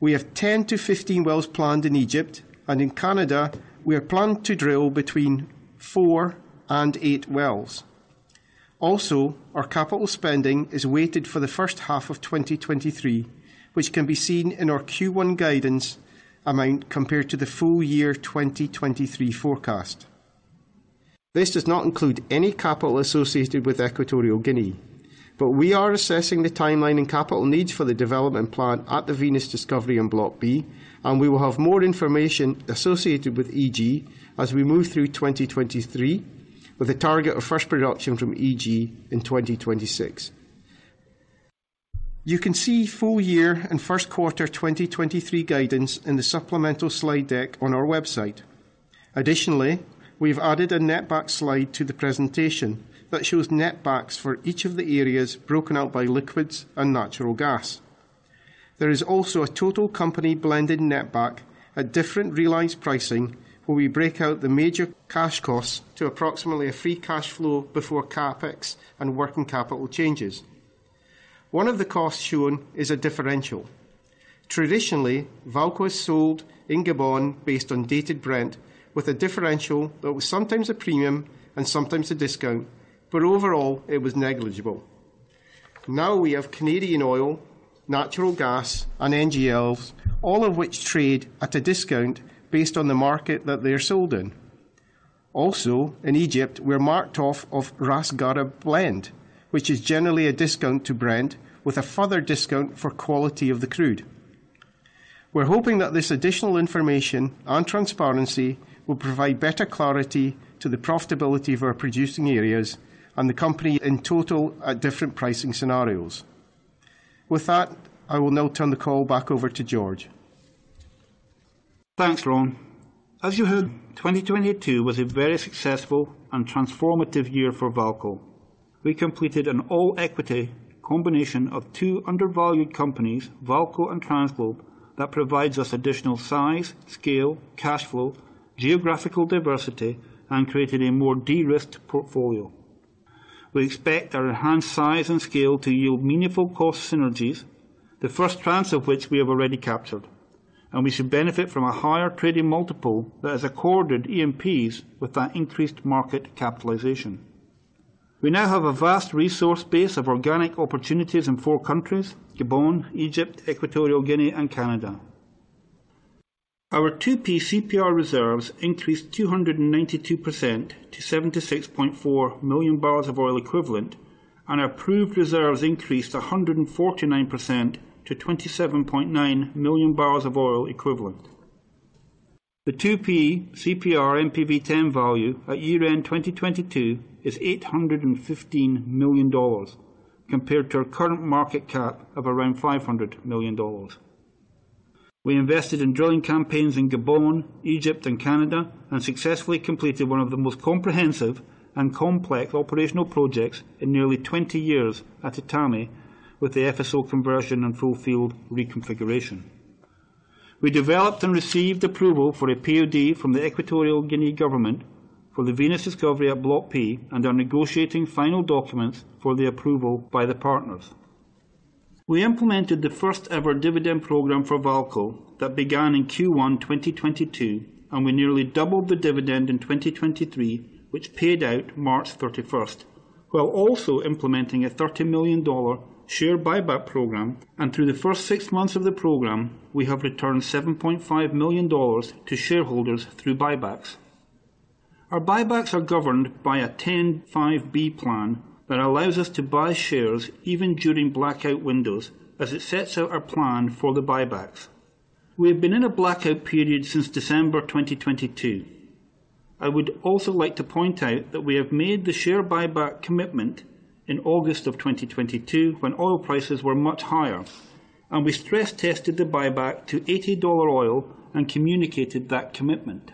[SPEAKER 4] We have 10-15 wells planned in Egypt, and in Canada, we are planned to drill between 4 and 8 wells. Our capital spending is weighted for the first half of 2023, which can be seen in our Q1 guidance amount compared to the full year 2023 forecast. This does not include any capital associated with Equatorial Guinea. We are assessing the timeline and capital needs for the development plan at the Venus Discovery in Block B, and we will have more information associated with EG as we move through 2023 with a target of first production from EG in 2026. You can see full year and first quarter 2023 guidance in the supplemental slide deck on our website. We've added a net back slide to the presentation that shows net backs for each of the areas broken out by liquids and natural gas. There is also a total company blended net back at different realized pricing, where we break out the major cash costs to approximately a free cash flow before CapEx and working capital changes. One of the costs shown is a differential. Traditionally, VAALCO is sold in Gabon based on dated Brent with a differential that was sometimes a premium and sometimes a discount, but overall, it was negligible. Now we have Canadian oil, natural gas, and NGLs, all of which trade at a discount based on the market that they are sold in. In Egypt, we're marked off of Ras Gharib blend, which is generally a discount to Brent with a further discount for quality of the crude. We're hoping that this additional information and transparency will provide better clarity to the profitability of our producing areas and the company in total at different pricing scenarios. With that, I will now turn the call back over to George.
[SPEAKER 3] Thanks, Ron. As you heard, 2022 was a very successful and transformative year for VAALCO. We completed an all-equity combination of two undervalued companies, VAALCO and TransGlobe, that provides us additional size, scale, cash flow, geographical diversity, and created a more de-risked portfolio. We expect our enhanced size and scale to yield meaningful cost synergies, the first tranche of which we have already captured, and we should benefit from a higher trading multiple that has accorded E&Ps with that increased market capitalization. We now have a vast resource base of organic opportunities in four countries, Gabon, Egypt, Equatorial Guinea, and Canada. Our 2P CPR reserves increased 292% to 76.4 million barrels of oil equivalent, and our approved reserves increased 149% to 27.9 million barrels of oil equivalent. The 2P CPR NPV10 value at year-end 2022 is $815 million compared to our current market cap of around $500 million. We invested in drilling campaigns in Gabon, Egypt, and Canada, successfully completed one of the most comprehensive and complex operational projects in nearly 20 years at Etame with the FSO conversion and full field reconfiguration. We developed and received approval for a POD from the Equatorial Guinea government for the Venus discovery at Block P and are negotiating final documents for the approval by the partners. We implemented the first-ever dividend program for VAALCO that began in Q1 2022, we nearly doubled the dividend in 2023, which paid out March 31st.
[SPEAKER 4] While also implementing a $30 million share buyback program. Through the first six months of the program, we have returned $7.5 million to shareholders through buybacks. Our buybacks are governed by a 10b5-1 plan that allows us to buy shares even during blackout windows as it sets out our plan for the buybacks. We have been in a blackout period since December 2022. I would also like to point out that we have made the share buyback commitment in August 2022 when oil prices were much higher. We stress tested the buyback to $80 oil and communicated that commitment.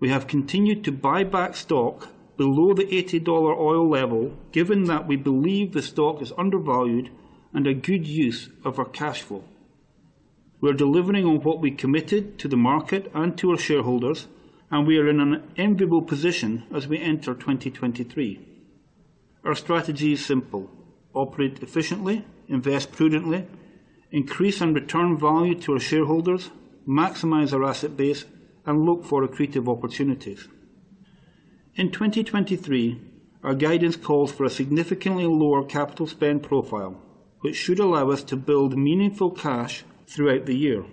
[SPEAKER 4] We have continued to buy back stock below the $80 oil level, given that we believe the stock is undervalued and a good use of our cash flow. We're delivering on what we committed to the market and to our shareholders. We are in an enviable position as we enter 2023. Our strategy is simple: operate efficiently, invest prudently, increase and return value to our shareholders, maximize our asset base, and look for accretive opportunities. In 2023, our guidance calls for a significantly lower capital spend profile, which should allow us to build meaningful cash throughout the year.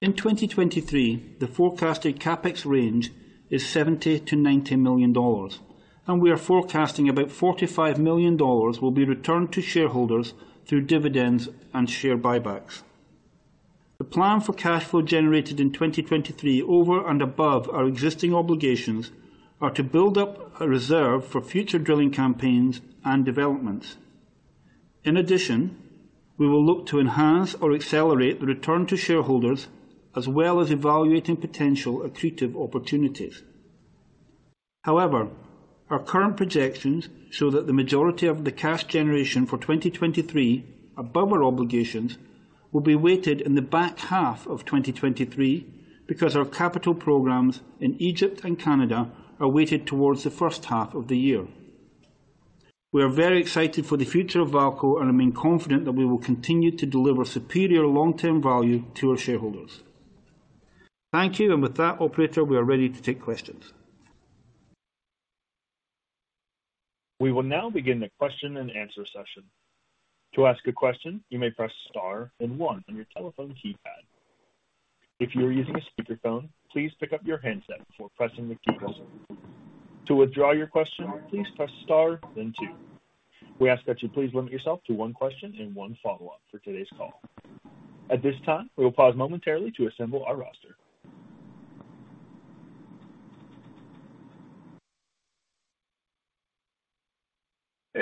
[SPEAKER 4] In 2023, the forecasted CapEx range is $70 million-$90 million. We are forecasting about $45 million will be returned to shareholders through dividends and share buybacks. The plan for cash flow generated in 2023 over and above our existing obligations are to build up a reserve for future drilling campaigns and developments. In addition, we will look to enhance or accelerate the return to shareholders as well as evaluating potential accretive opportunities. Our current projections show that the majority of the cash generation for 2023 above our obligations will be weighted in the back half of 2023 because our capital programs in Egypt and Canada are weighted towards the first half of the year. We are very excited for the future of VAALCO and remain confident that we will continue to deliver superior long-term value to our shareholders. Thank you. With that operator, we are ready to take questions.
[SPEAKER 1] We will now begin the question and answer session. To ask a question, you may press star then one on your telephone keypad. If you are using a speakerphone, please pick up your handset before pressing the keys. To withdraw your question, please press star then two. We ask that you please limit yourself to one question and one follow-up for today's call. At this time, we will pause momentarily to assemble our roster.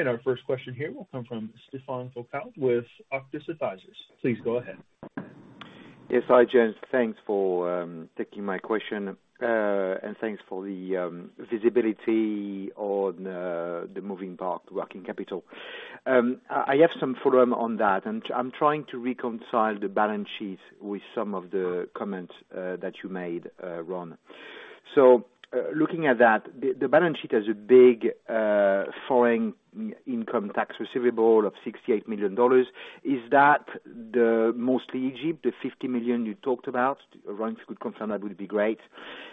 [SPEAKER 1] Our first question here will come from Stephane Foucaud with Auctus Advisors. Please go ahead.
[SPEAKER 5] Yes. Hi, gents. Thanks for taking my question, and thanks for the visibility on the moving part, working capital. I have some follow-on on that, and I'm trying to reconcile the balance sheet with some of the comments that you made, Ron. Looking at that, the balance sheet has a big foreign income tax receivable of $68 million. Is that the mostly Egypt, the $50 million you talked about? Ron, if you could confirm that would be great.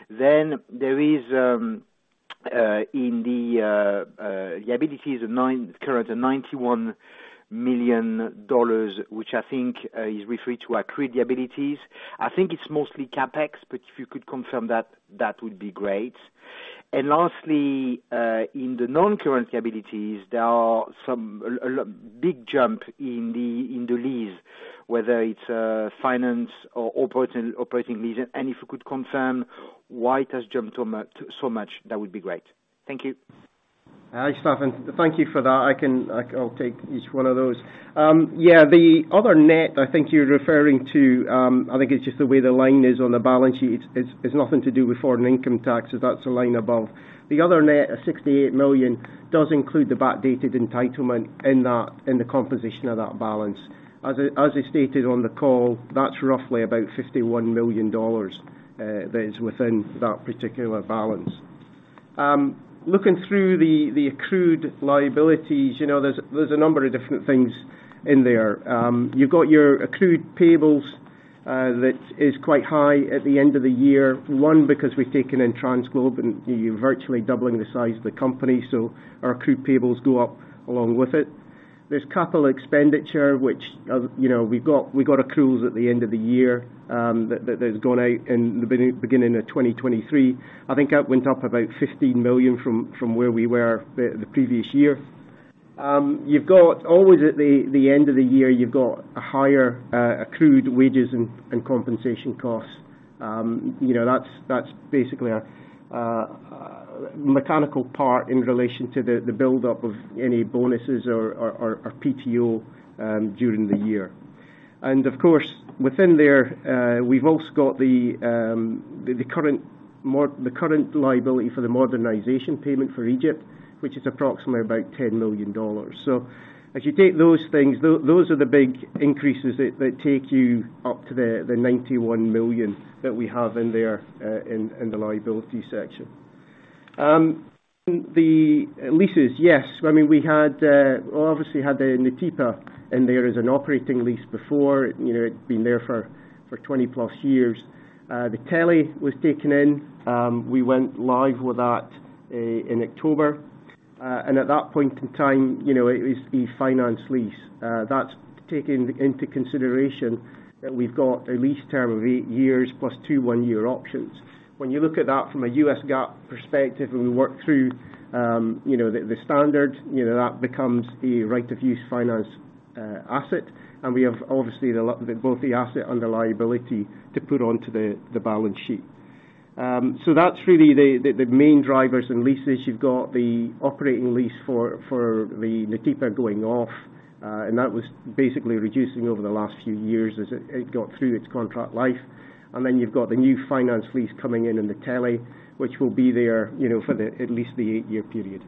[SPEAKER 5] There is current $91 million, which I think is referred to accrued the abilities. I think it's mostly CapEx. If you could confirm that would be great. Lastly, in the non-currency abilities, there are some big jump in the lease, whether it's finance or operating leases, and if you could confirm why it has jumped so much, that would be great. Thank you.
[SPEAKER 4] Hi, Stephane. Thank you for that. I'll take each one of those. The other net I think you're referring to, I think it's just the way the line is on the balance sheet. It's nothing to do with foreign income tax, that's a line above. The other net of $68 million does include the backdated entitlement in the composition of that balance. As I stated on the call, that's roughly about $51 million that is within that particular balance. Looking through the accrued liabilities, you know, there's a number of different things in there. You've got your accrued payables that is quite high at the end of the year. One, because we've taken in TransGlobe, you're virtually doubling the size of the company, our accrued payables go up along with it. There's capital expenditure, which, you know, we've got accruals at the end of the year, that has gone out in the beginning of 2023. I think that went up about $15 million from where we were the previous year. You've got always at the end of the year, you've got a higher accrued wages and compensation costs. You know, that's basically a mechanical part in relation to the buildup of any bonuses or PTO during the year. Of course, within there, we've also got the current liability for the modernization payment for Egypt, which is approximately about $10 million. If you take those things, those are the big increases that take you up to the $91 million that we have in there in the liability section. The leases, yes. I mean, we had obviously had the Nautipa in there as an operating lease before. You know, it's been there for 20-plus years. The Teli was taken in. We went live with that in October. At that point in time, you know, it is the finance lease. That's taking into consideration that we've got a lease term of 8 years plus 2, 1-year options. When you look at that from a US GAAP perspective, we work through, you know, the standard, you know, that becomes the right-of-use finance, asset. We have obviously the both the asset and the liability to put onto the balance sheet. That's really the, the main drivers in leases. You've got the operating lease for the Nautipa going off. That was basically reducing over the last few years as it got through its contract life. You've got the new finance lease coming in in the Teli, which will be there, you know, for the at least the 8-year period.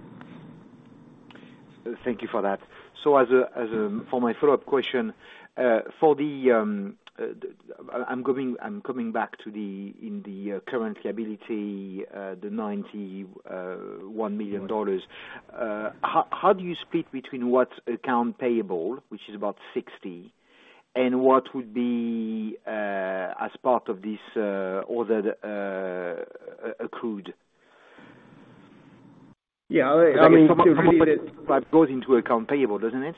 [SPEAKER 5] Thank you for that. For my follow-up question, I'm coming back to the in the current liability, the $91 million. How do you split between what account payable, which is about $60 million, and what would be as part of this ordered accrued?
[SPEAKER 4] Yeah. I mean, to repeat it.
[SPEAKER 5] It goes into account payable, doesn't it?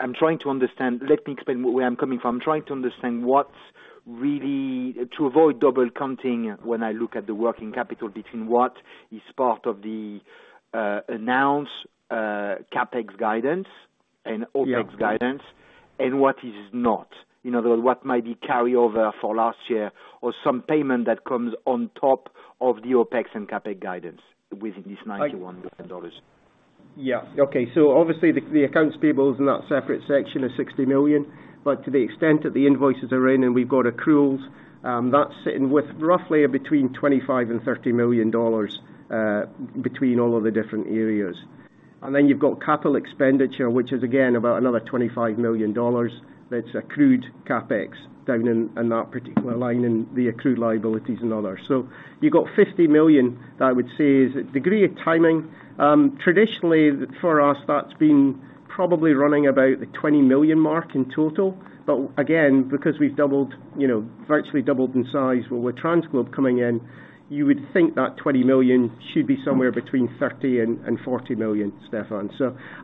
[SPEAKER 5] I'm trying to understand. Let me explain where I'm coming from. I'm trying to understand what's really to avoid double counting when I look at the working capital between what is part of the announced CapEx guidance and OpEx guidance and what is not. You know, what might be carryover for last year or some payment that comes on top of the OpEx and CapEx guidance within this $91 million.
[SPEAKER 4] Yeah. Okay. Obviously the accounts payable is in that separate section of $60 million, but to the extent that the invoices are in and we've got accruals, that's sitting with roughly between $25 million and $30 million between all of the different areas. You've got capital expenditure, which is again about another $25 million. That's accrued CapEx down in that particular line in the accrued liabilities and others. You've got $50 million that I would say is a degree of timing. Traditionally for us, that's been probably running about the $20 million mark in total. Again, because we've doubled, you know, virtually doubled in size with TransGlobe coming in, you would think that $20 million should be somewhere between $30 million and $40 million, Stephane.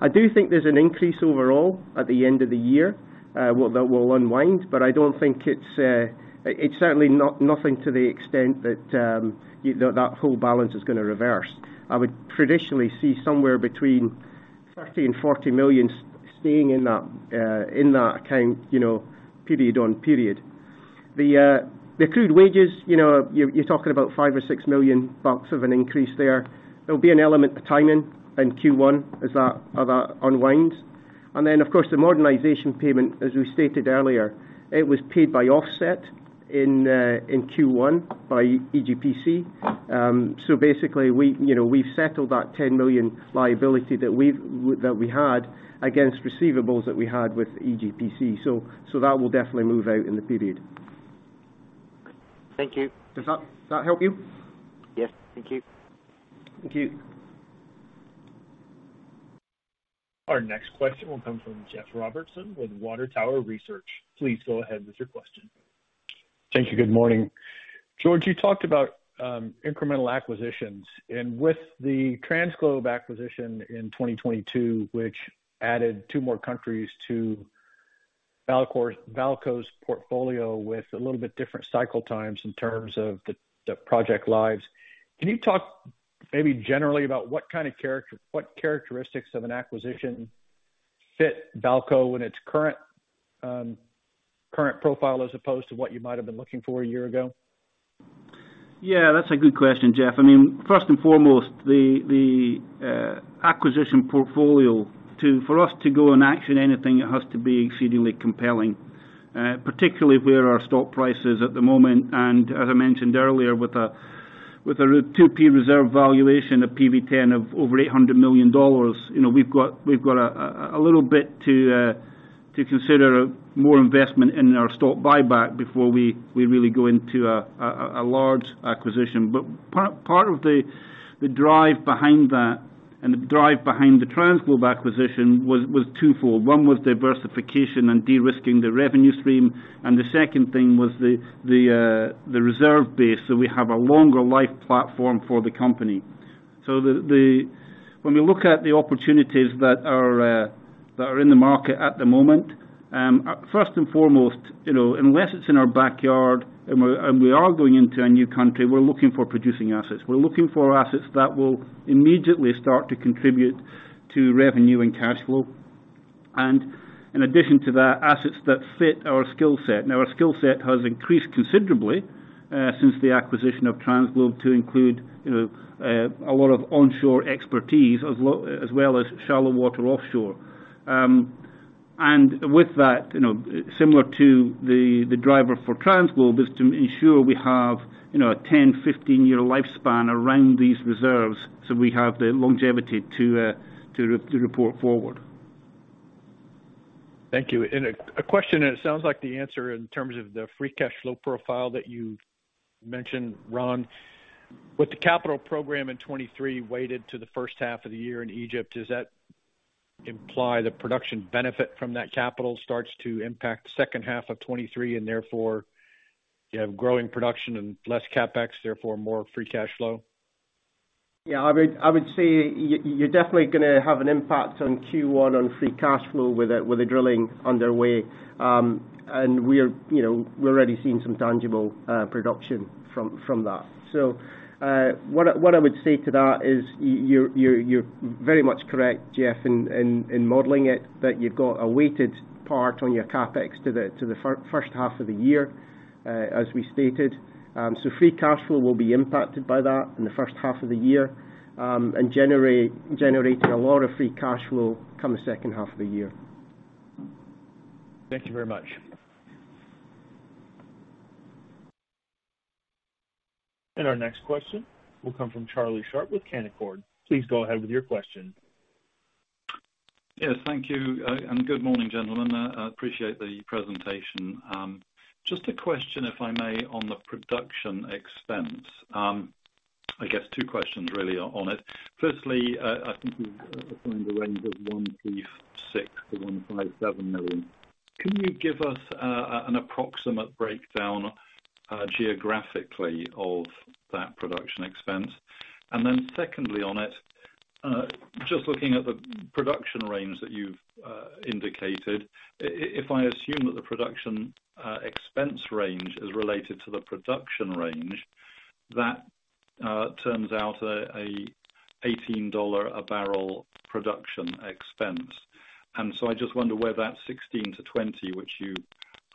[SPEAKER 4] I do think there's an increase overall at the end of the year that will unwind, but I don't think it's certainly not nothing to the extent that, you know, that full balance is gonna reverse. I would traditionally see somewhere between $30 million-$40 million staying in that account, you know, period on period. The accrued wages, you know, you're talking about $5 million or $6 million bucks of an increase there. There'll be an element of timing in Q1 as that unwinds. Of course, the modernization payment, as we stated earlier, it was paid by offset in Q1 by EGPC. Basically we, you know, we've settled that $10 million liability that we had against receivables that we had with EGPC. that will definitely move out in the period.
[SPEAKER 5] Thank you.
[SPEAKER 4] Does that help you?
[SPEAKER 5] Yes. Thank you.
[SPEAKER 4] Thank you.
[SPEAKER 1] Our next question will come from Jeff Robertson with Water Tower Research. Please go ahead with your question.
[SPEAKER 6] Thank you. Good morning. George, you talked about incremental acquisitions and with the TransGlobe acquisition in 2022, which added two more countries to VAALCO's portfolio with a little bit different cycle times in terms of the project lives. Can you talk maybe generally about what characteristics of an acquisition fit VAALCO in its current profile as opposed to what you might have been looking for a year ago?
[SPEAKER 4] Yeah, that's a good question, Jeff. I mean, first and foremost, the acquisition portfolio for us to go and action anything, it has to be exceedingly compelling, particularly where our stock price is at the moment. As I mentioned earlier, with a 2P reserve valuation of PV-10 of over $800 million, you know, we've got, we've got a little bit to consider more investment in our stock buyback before we really go into a large acquisition. Part of the drive behind that and the drive behind the TransGlobe acquisition was twofold. One was diversification and de-risking the revenue stream, and the second thing was the reserve base, so we have a longer life platform for the company. The... When we look at the opportunities that are that are in the market at the moment, first and foremost, you know, unless it's in our backyard and we are going into a new country, we're looking for producing assets. We're looking for assets that will immediately start to contribute to revenue and cash flow. In addition to that, assets that fit our skill set. Now, our skill set has increased considerably since the acquisition of TransGlobe to include, you know, a lot of onshore expertise as well as shallow water offshore. With that, you know, similar to the driver for TransGlobe is to ensure we have, you know, a 10, 15-year lifespan around these reserves, so we have the longevity to to report forward.
[SPEAKER 6] Thank you. A question, and it sounds like the answer in terms of the free cash flow profile that you mentioned, Ron. With the capital program in 2023 weighted to the first half of the year in Egypt, is that imply the production benefit from that capital starts to impact second half of 2023 and therefore you have growing production and less CapEx, therefore more free cash flow?
[SPEAKER 4] Yeah, I would say you're definitely gonna have an impact on Q1 on free cash flow with the drilling underway. We're, you know, we're already seeing some tangible production from that. What I would say to that is you're very much correct, Jeff, in modeling it, that you've got a weighted part on your CapEx to the first half of the year, as we stated. Free cash flow will be impacted by that in the first half of the year, and generating a lot of free cash flow come the second half of the year.
[SPEAKER 6] Thank you very much.
[SPEAKER 1] Our next question will come from Charlie Sharp with Canaccord. Please go ahead with your question.
[SPEAKER 7] Yes, thank you. Good morning, gentlemen. Appreciate the presentation. Just a question, if I may, on the production expense. I guess two questions really on it. Firstly, I think you defined a range of $136 million-$157 million. Can you give us an approximate breakdown geographically of that production expense? Secondly on it, just looking at the production range that you've indicated, if I assume that the production expense range is related to the production range, that turns out a $18 a barrel production expense. I just wonder where that $16-$20 which you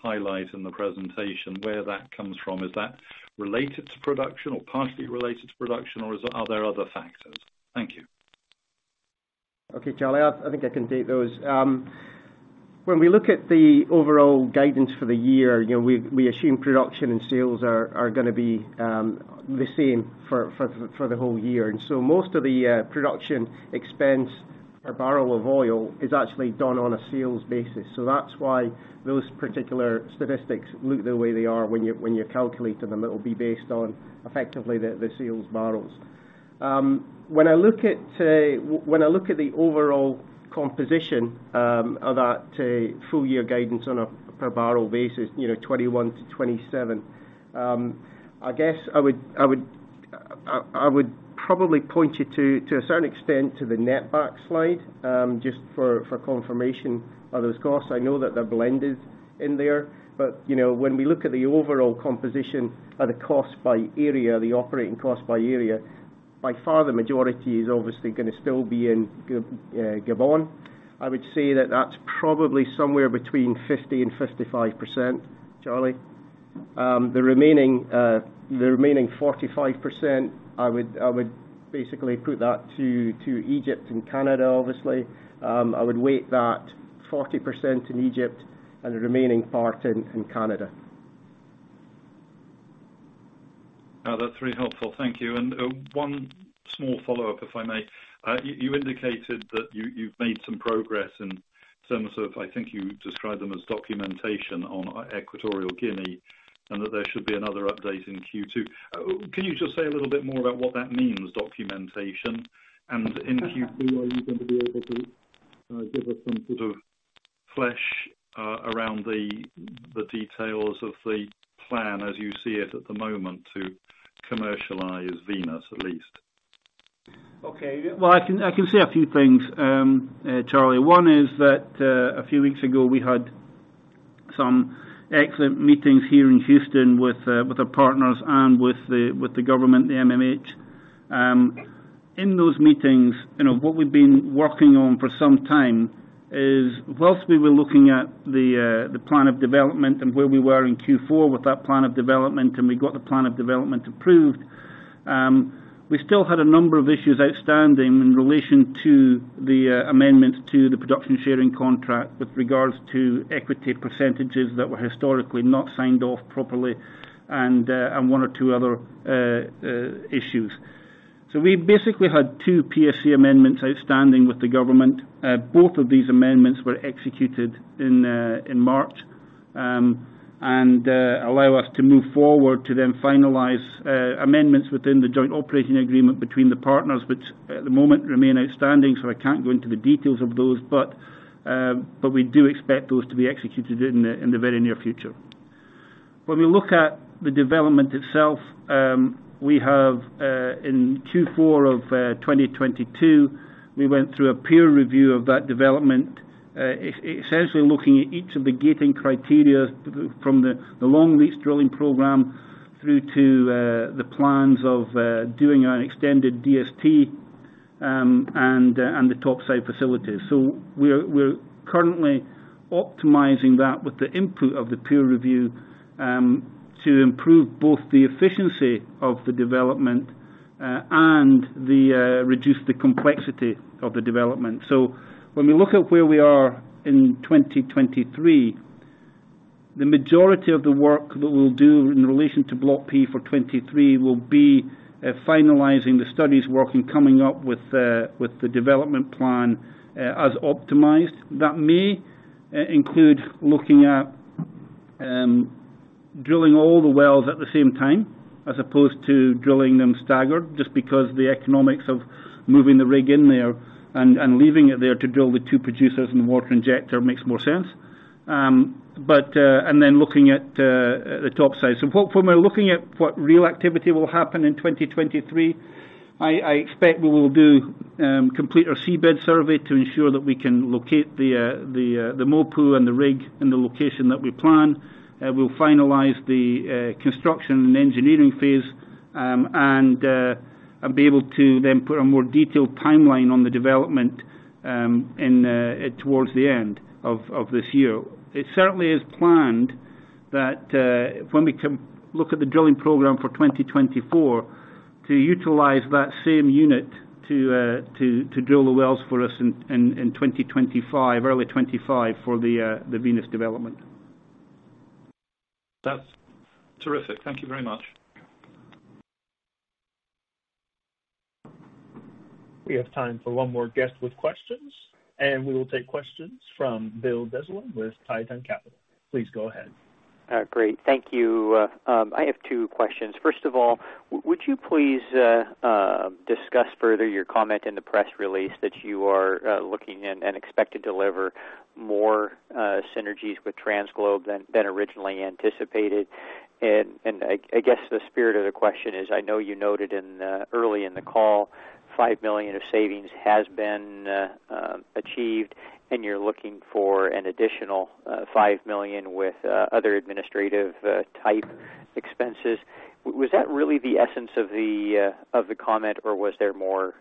[SPEAKER 7] highlight in the presentation, where that comes from. Is that related to production or partly related to production or is there other factors? Thank you.
[SPEAKER 4] Okay, Charlie, I think I can take those. When we look at the overall guidance for the year, you know, we assume production and sales are gonna be the same for the whole year. Most of the production expense or barrel of oil is actually done on a sales basis. That's why those particular statistics look the way they are when you're calculating them. It'll be based on effectively the sales barrels. When I look at the overall composition of that full year guidance on a per barrel basis, you know, $21-$27, I guess I would probably point you to a certain extent to the net backslide, just for confirmation of those costs. I know that they're blended in there. You know, when we look at the overall composition of the cost by area, the operating cost by area, by far the majority is obviously gonna still be in Gabon. I would say that that's probably somewhere between 50% and 55%, Charlie. The remaining 45%, I would basically put that to Egypt and Canada, obviously. I would weight that 40% in Egypt and the remaining part in Canada.
[SPEAKER 7] That's very helpful. Thank you. One small follow-up, if I may. You indicated that you've made some progress in terms of, I think you described them as documentation on Equatorial Guinea, and that there should be another update in Q2. Can you just say a little bit more about what that means, documentation? In Q3, are you gonna be able to give us some sort of flesh around the details of the plan as you see it at the moment to commercialize Venus, at least?
[SPEAKER 4] Okay. Well, I can say a few things, Charlie. One is that a few weeks ago, we had some excellent meetings here in Houston with our partners and with the government, the MMH. In those meetings, you know, what we've been working on for some time is whilst we were looking at the plan of development and where we were in Q4 with that plan of development, and we got the plan of development approved, we still had a number of issues outstanding in relation to the amendment to the production sharing contract with regards to equity percentages that were historically not signed off properly and one or two other issues. We basically had two PSC amendments outstanding with the government. Both of these amendments were executed in March, allow us to move forward to then finalize amendments within the joint operating agreement between the partners which at the moment remain outstanding, so I can't go into the details of those. We do expect those to be executed in the very near future. We look at the development itself, we have in Q4 of 2022, we went through a peer review of that development, essentially looking at each of the gating criteria from the long lease drilling program through to the plans of doing an extended DST, and the top site facilities. We're currently optimizing that with the input of the peer review, to improve both the efficiency of the development and reduce the complexity of the development. When we look at where we are in 2023, the majority of the work that we'll do in relation to Block P for 23 will be finalizing the studies work and coming up with the development plan as optimized. That may include looking at
[SPEAKER 3] Drilling all the wells at the same time as opposed to drilling them staggered, just because the economics of moving the rig in there and leaving it there to drill the two producers and the water injector makes more sense. Looking at the top side. When we're looking at what real activity will happen in 2023, I expect we will complete our seabed survey to ensure that we can locate the mobile and the rig in the location that we plan. We'll finalize the construction and engineering phase and be able to then put a more detailed timeline on the development towards the end of this year. It certainly is planned that, when we look at the drilling program for 2024 to utilize that same unit to drill the wells for us in 2025, early 2025 for the Venus development.
[SPEAKER 7] That's terrific. Thank you very much.
[SPEAKER 1] We have time for one more guest with questions. We will take questions from Bill Dezellem with Tieton Capital. Please go ahead.
[SPEAKER 8] Great. Thank you. I have two questions. First of all, would you please discuss further your comment in the press release that you are looking and expect to deliver more synergies with TransGlobe than originally anticipated? I guess the spirit of the question is, I know you noted in early in the call, $5 million of savings has been achieved, and you're looking for an additional $5 million with other administrative type expenses. Was that really the essence of the comment, or was there more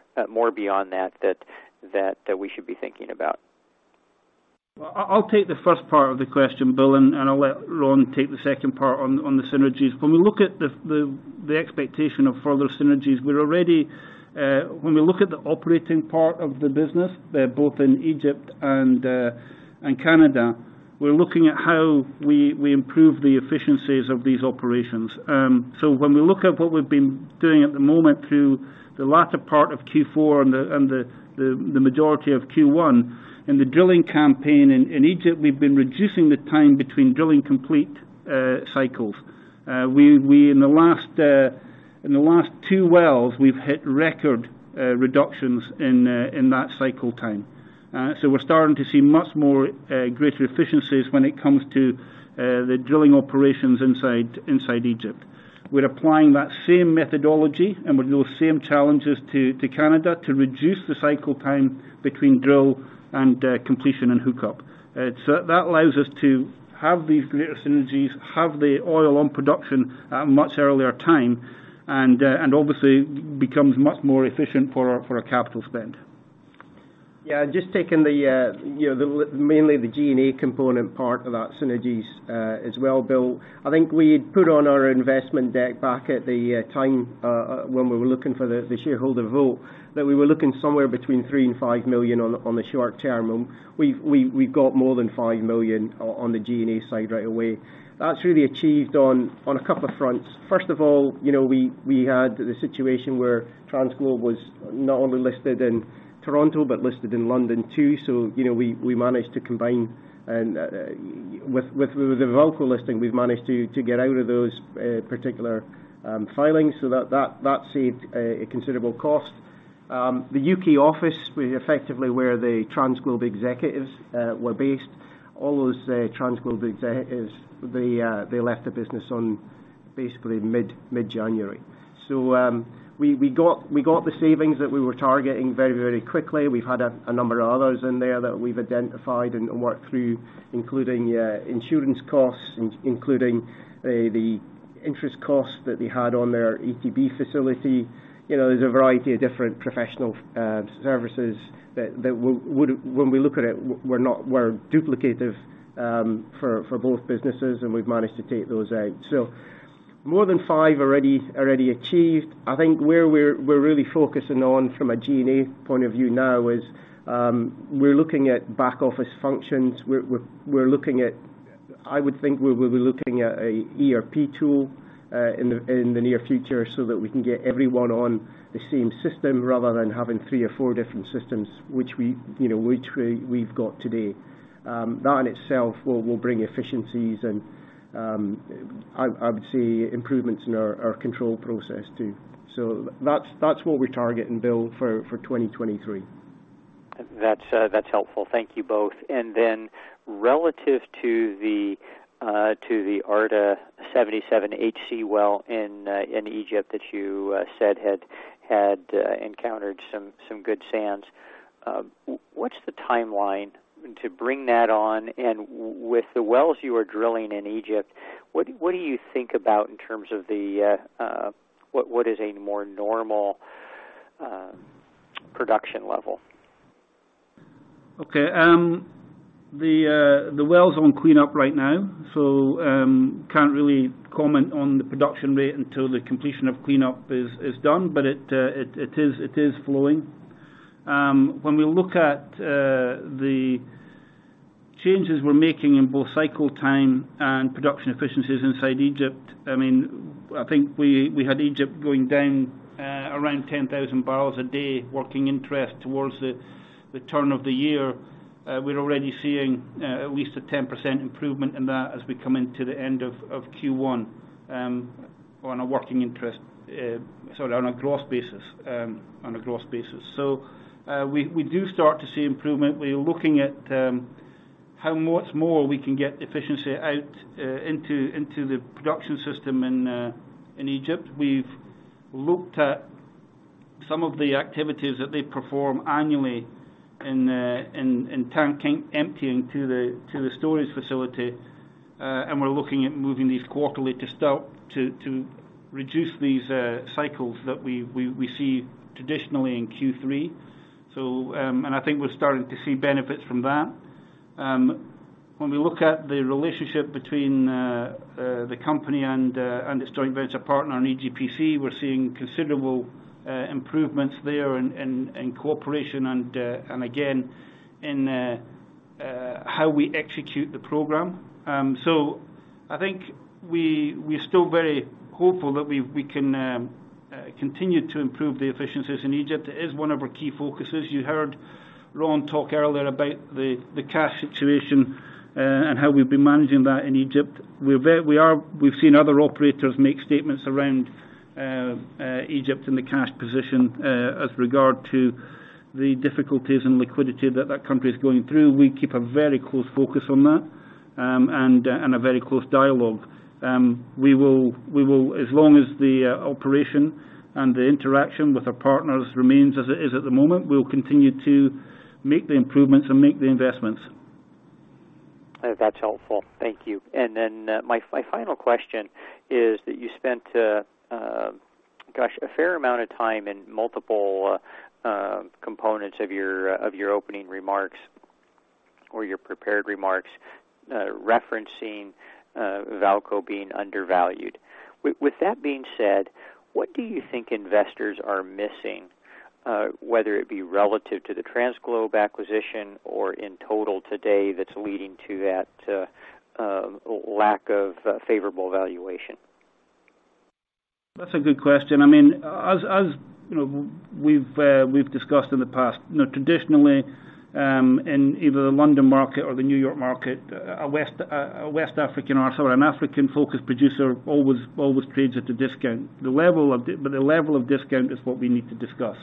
[SPEAKER 8] beyond that we should be thinking about?
[SPEAKER 3] Well, I'll take the first part of the question, Bill, and I'll let Ron take the second part on the synergies. When we look at the expectation of further synergies, we're already. When we look at the operating part of the business, both in Egypt and Canada, we're looking at how we improve the efficiencies of these operations. When we look at what we've been doing at the moment through the latter part of Q4 and the majority of Q1 in the drilling campaign in Egypt, we've been reducing the time between drilling complete cycles. We in the last, in the last two wells, we've hit record reductions in that cycle time. We're starting to see much more, greater efficiencies when it comes to, the drilling operations inside Egypt. We're applying that same methodology and with those same challenges to Canada to reduce the cycle time between drill and, completion and hookup. That allows us to have these greater synergies, have the oil on production at a much earlier time and, obviously becomes much more efficient for our capital spend.
[SPEAKER 4] Yeah, just taking the, you know, mainly the G&A component part of that synergies as well, Bill. I think we put on our investment deck back at the time when we were looking for the shareholder vote, that we were looking somewhere between $3 million and $5 million on the short term. We've got more than $5 million on the G&A side right away. That's really achieved on a couple of fronts. First of all, you know, we had the situation where TransGlobe was not only listed in Toronto, but listed in London too. You know, we managed to combine and with the VAALCO listing, we've managed to get out of those particular filings, so that saved a considerable cost. The UK office, effectively where the TransGlobe executives were based, all those TransGlobe they left the business on basically mid-January. We got the savings that we were targeting very, very quickly. We've had a number of others in there that we've identified and worked through, including insurance costs, including the interest costs that they had on their ATB facility. You know, there's a variety of different professional services that When we look at it, were duplicative for both businesses, and we've managed to take those out. More than 5 already achieved. I think where we're really focusing on from a G&A point of view now is, we're looking at back office functions. We're looking at... I would think we'll be looking at a ERP tool, in the near future so that we can get everyone on the same system rather than having three or four different systems which we, you know, we've got today. That in itself will bring efficiencies and, I would say improvements in our control process too. That's what we're targeting, Bill, for 2023.
[SPEAKER 8] That's helpful. Thank you both. Then relative to the Arta-77 HC well in Egypt that you said had encountered some good sands, what's the timeline to bring that on? With the wells you are drilling in Egypt, what do you think about in terms of what is a more normal production level?
[SPEAKER 3] Okay. The well's on cleanup right now, so can't really comment on the production rate until the completion of cleanup is done, but it is flowing. When we look at the changes we're making in both cycle time and production efficiencies inside Egypt, I mean, I think we had Egypt going down around 10,000 barrels a day working interest towards the turn of the year. We're already seeing at least a 10% improvement in that as we come into the end of Q1 on a working interest. Sorry, on a gross basis, on a gross basis. We do start to see improvement. We're looking at how much more we can get efficiency out into the production system in Egypt. We've looked at some of the activities that they perform annually in tank emptying to the, to the storage facility, and we're looking at moving these quarterly to reduce these cycles that we see traditionally in Q3. And I think we're starting to see benefits from that. When we look at the relationship between the company and its joint venture partner in EGPC, we're seeing considerable improvements there and cooperation and again, in how we execute the program. I think we're still very hopeful that we can continue to improve the efficiencies in Egypt. It is one of our key focuses. You heard Ron talk earlier about the cash situation, and how we've been managing that in Egypt. We've seen other operators make statements around Egypt and the cash position as regard to the difficulties and liquidity that that country is going through. We keep a very close focus on that and a very close dialogue. As long as the operation and the interaction with our partners remains as it is at the moment, we will continue to make the improvements and make the investments.
[SPEAKER 8] That's helpful. Thank you. My final question is that you spent, gosh, a fair amount of time in multiple components of your opening remarks or your prepared remarks, referencing VAALCO being undervalued. With that being said, what do you think investors are missing, whether it be relative to the TransGlobe acquisition or in total today that's leading to that lack of favorable valuation?
[SPEAKER 3] That's a good question. I mean, as, you know, we've discussed in the past. You know, traditionally, in either the London market or the New York market, a West African or, sorry, an African-focused producer always trades at a discount. The level of discount is what we need to discuss.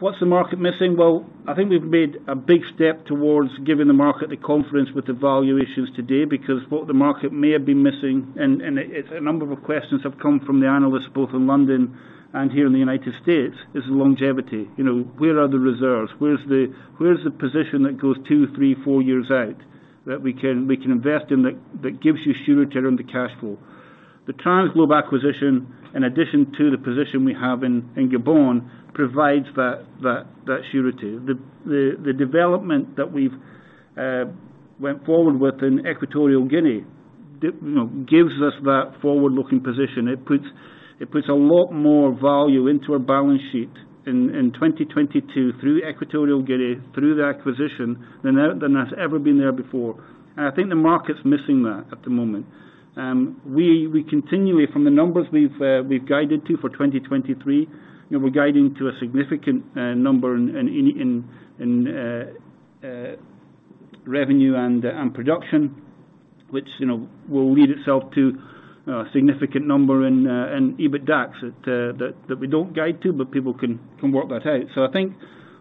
[SPEAKER 3] What's the market missing? I think we've made a big step towards giving the market the confidence with the valuations today because what the market may have been missing, and it's a number of questions have come from the analysts both in London and here in the United States, is the longevity. You know, where are the reserves? Where's the position that goes 2, 3, 4 years out that we can invest and that gives you surety around the cash flow? The TransGlobe acquisition, in addition to the position we have in Gabon, provides that surety. The development that we've went forward with in Equatorial Guinea, you know, gives us that forward-looking position. It puts a lot more value into our balance sheet in 2022 through Equatorial Guinea, through the acquisition than has ever been there before. I think the market's missing that at the moment. We continually from the numbers we've guided to for 2023, you know, we're guiding to a significant number in revenue and production, which, you know, will lead itself to a significant number in EBITDA that we don't guide to, but people can work that out. I think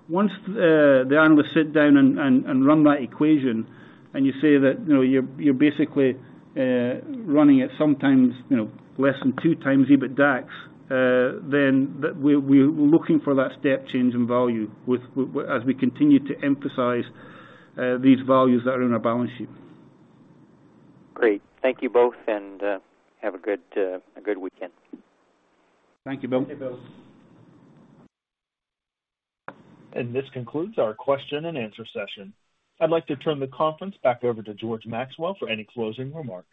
[SPEAKER 3] once the analysts sit down and run that equation and you say that, you know, you're basically running at sometimes, you know, less than 2 times EBITDA, then we're looking for that step change in value as we continue to emphasize these values that are on our balance sheet.
[SPEAKER 8] Great. Thank you both, and have a good weekend.
[SPEAKER 3] Thank you, Bill.
[SPEAKER 1] Thank you, Bill. This concludes our question and answer session. I'd like to turn the conference back over to George Maxwell for any closing remarks.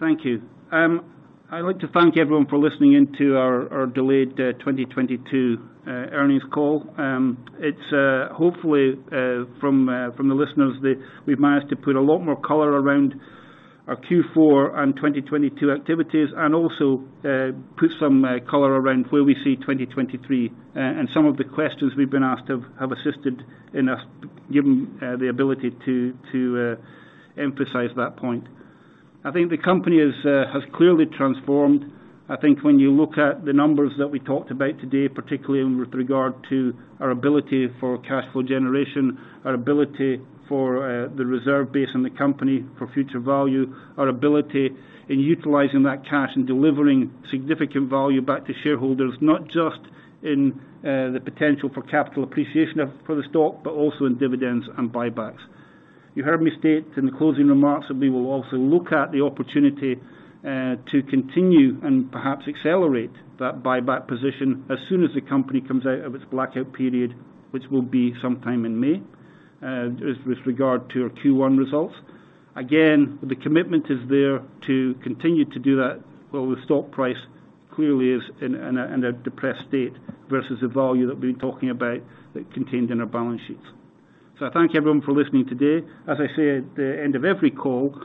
[SPEAKER 3] Thank you. I'd like to thank everyone for listening in to our delayed 2022 earnings call. It's hopefully from the listeners that we've managed to put a lot more color around our Q4 and 2022 activities and also put some color around where we see 2023. Some of the questions we've been asked have assisted in us given the ability to emphasize that point. I think the company is has clearly transformed. I think when you look at the numbers that we talked about today, particularly with regard to our ability for cash flow generation, our ability for the reserve base in the company for future value, our ability in utilizing that cash and delivering significant value back to shareholders, not just in the potential for capital appreciation for the stock, but also in dividends and buybacks. You heard me state in the closing remarks that we will also look at the opportunity to continue and perhaps accelerate that buyback position as soon as the company comes out of its blackout period, which will be sometime in May, with regard to our Q1 results. The commitment is there to continue to do that while the stock price clearly is in a depressed state versus the value that we've been talking about that contained in our balance sheets. I thank everyone for listening today. As I say at the end of every call,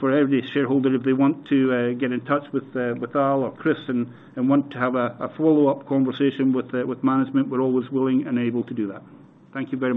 [SPEAKER 3] for every shareholder, if they want to get in touch with Al or Chris and want to have a follow-up conversation with management, we're always willing and able to do that. Thank you very much.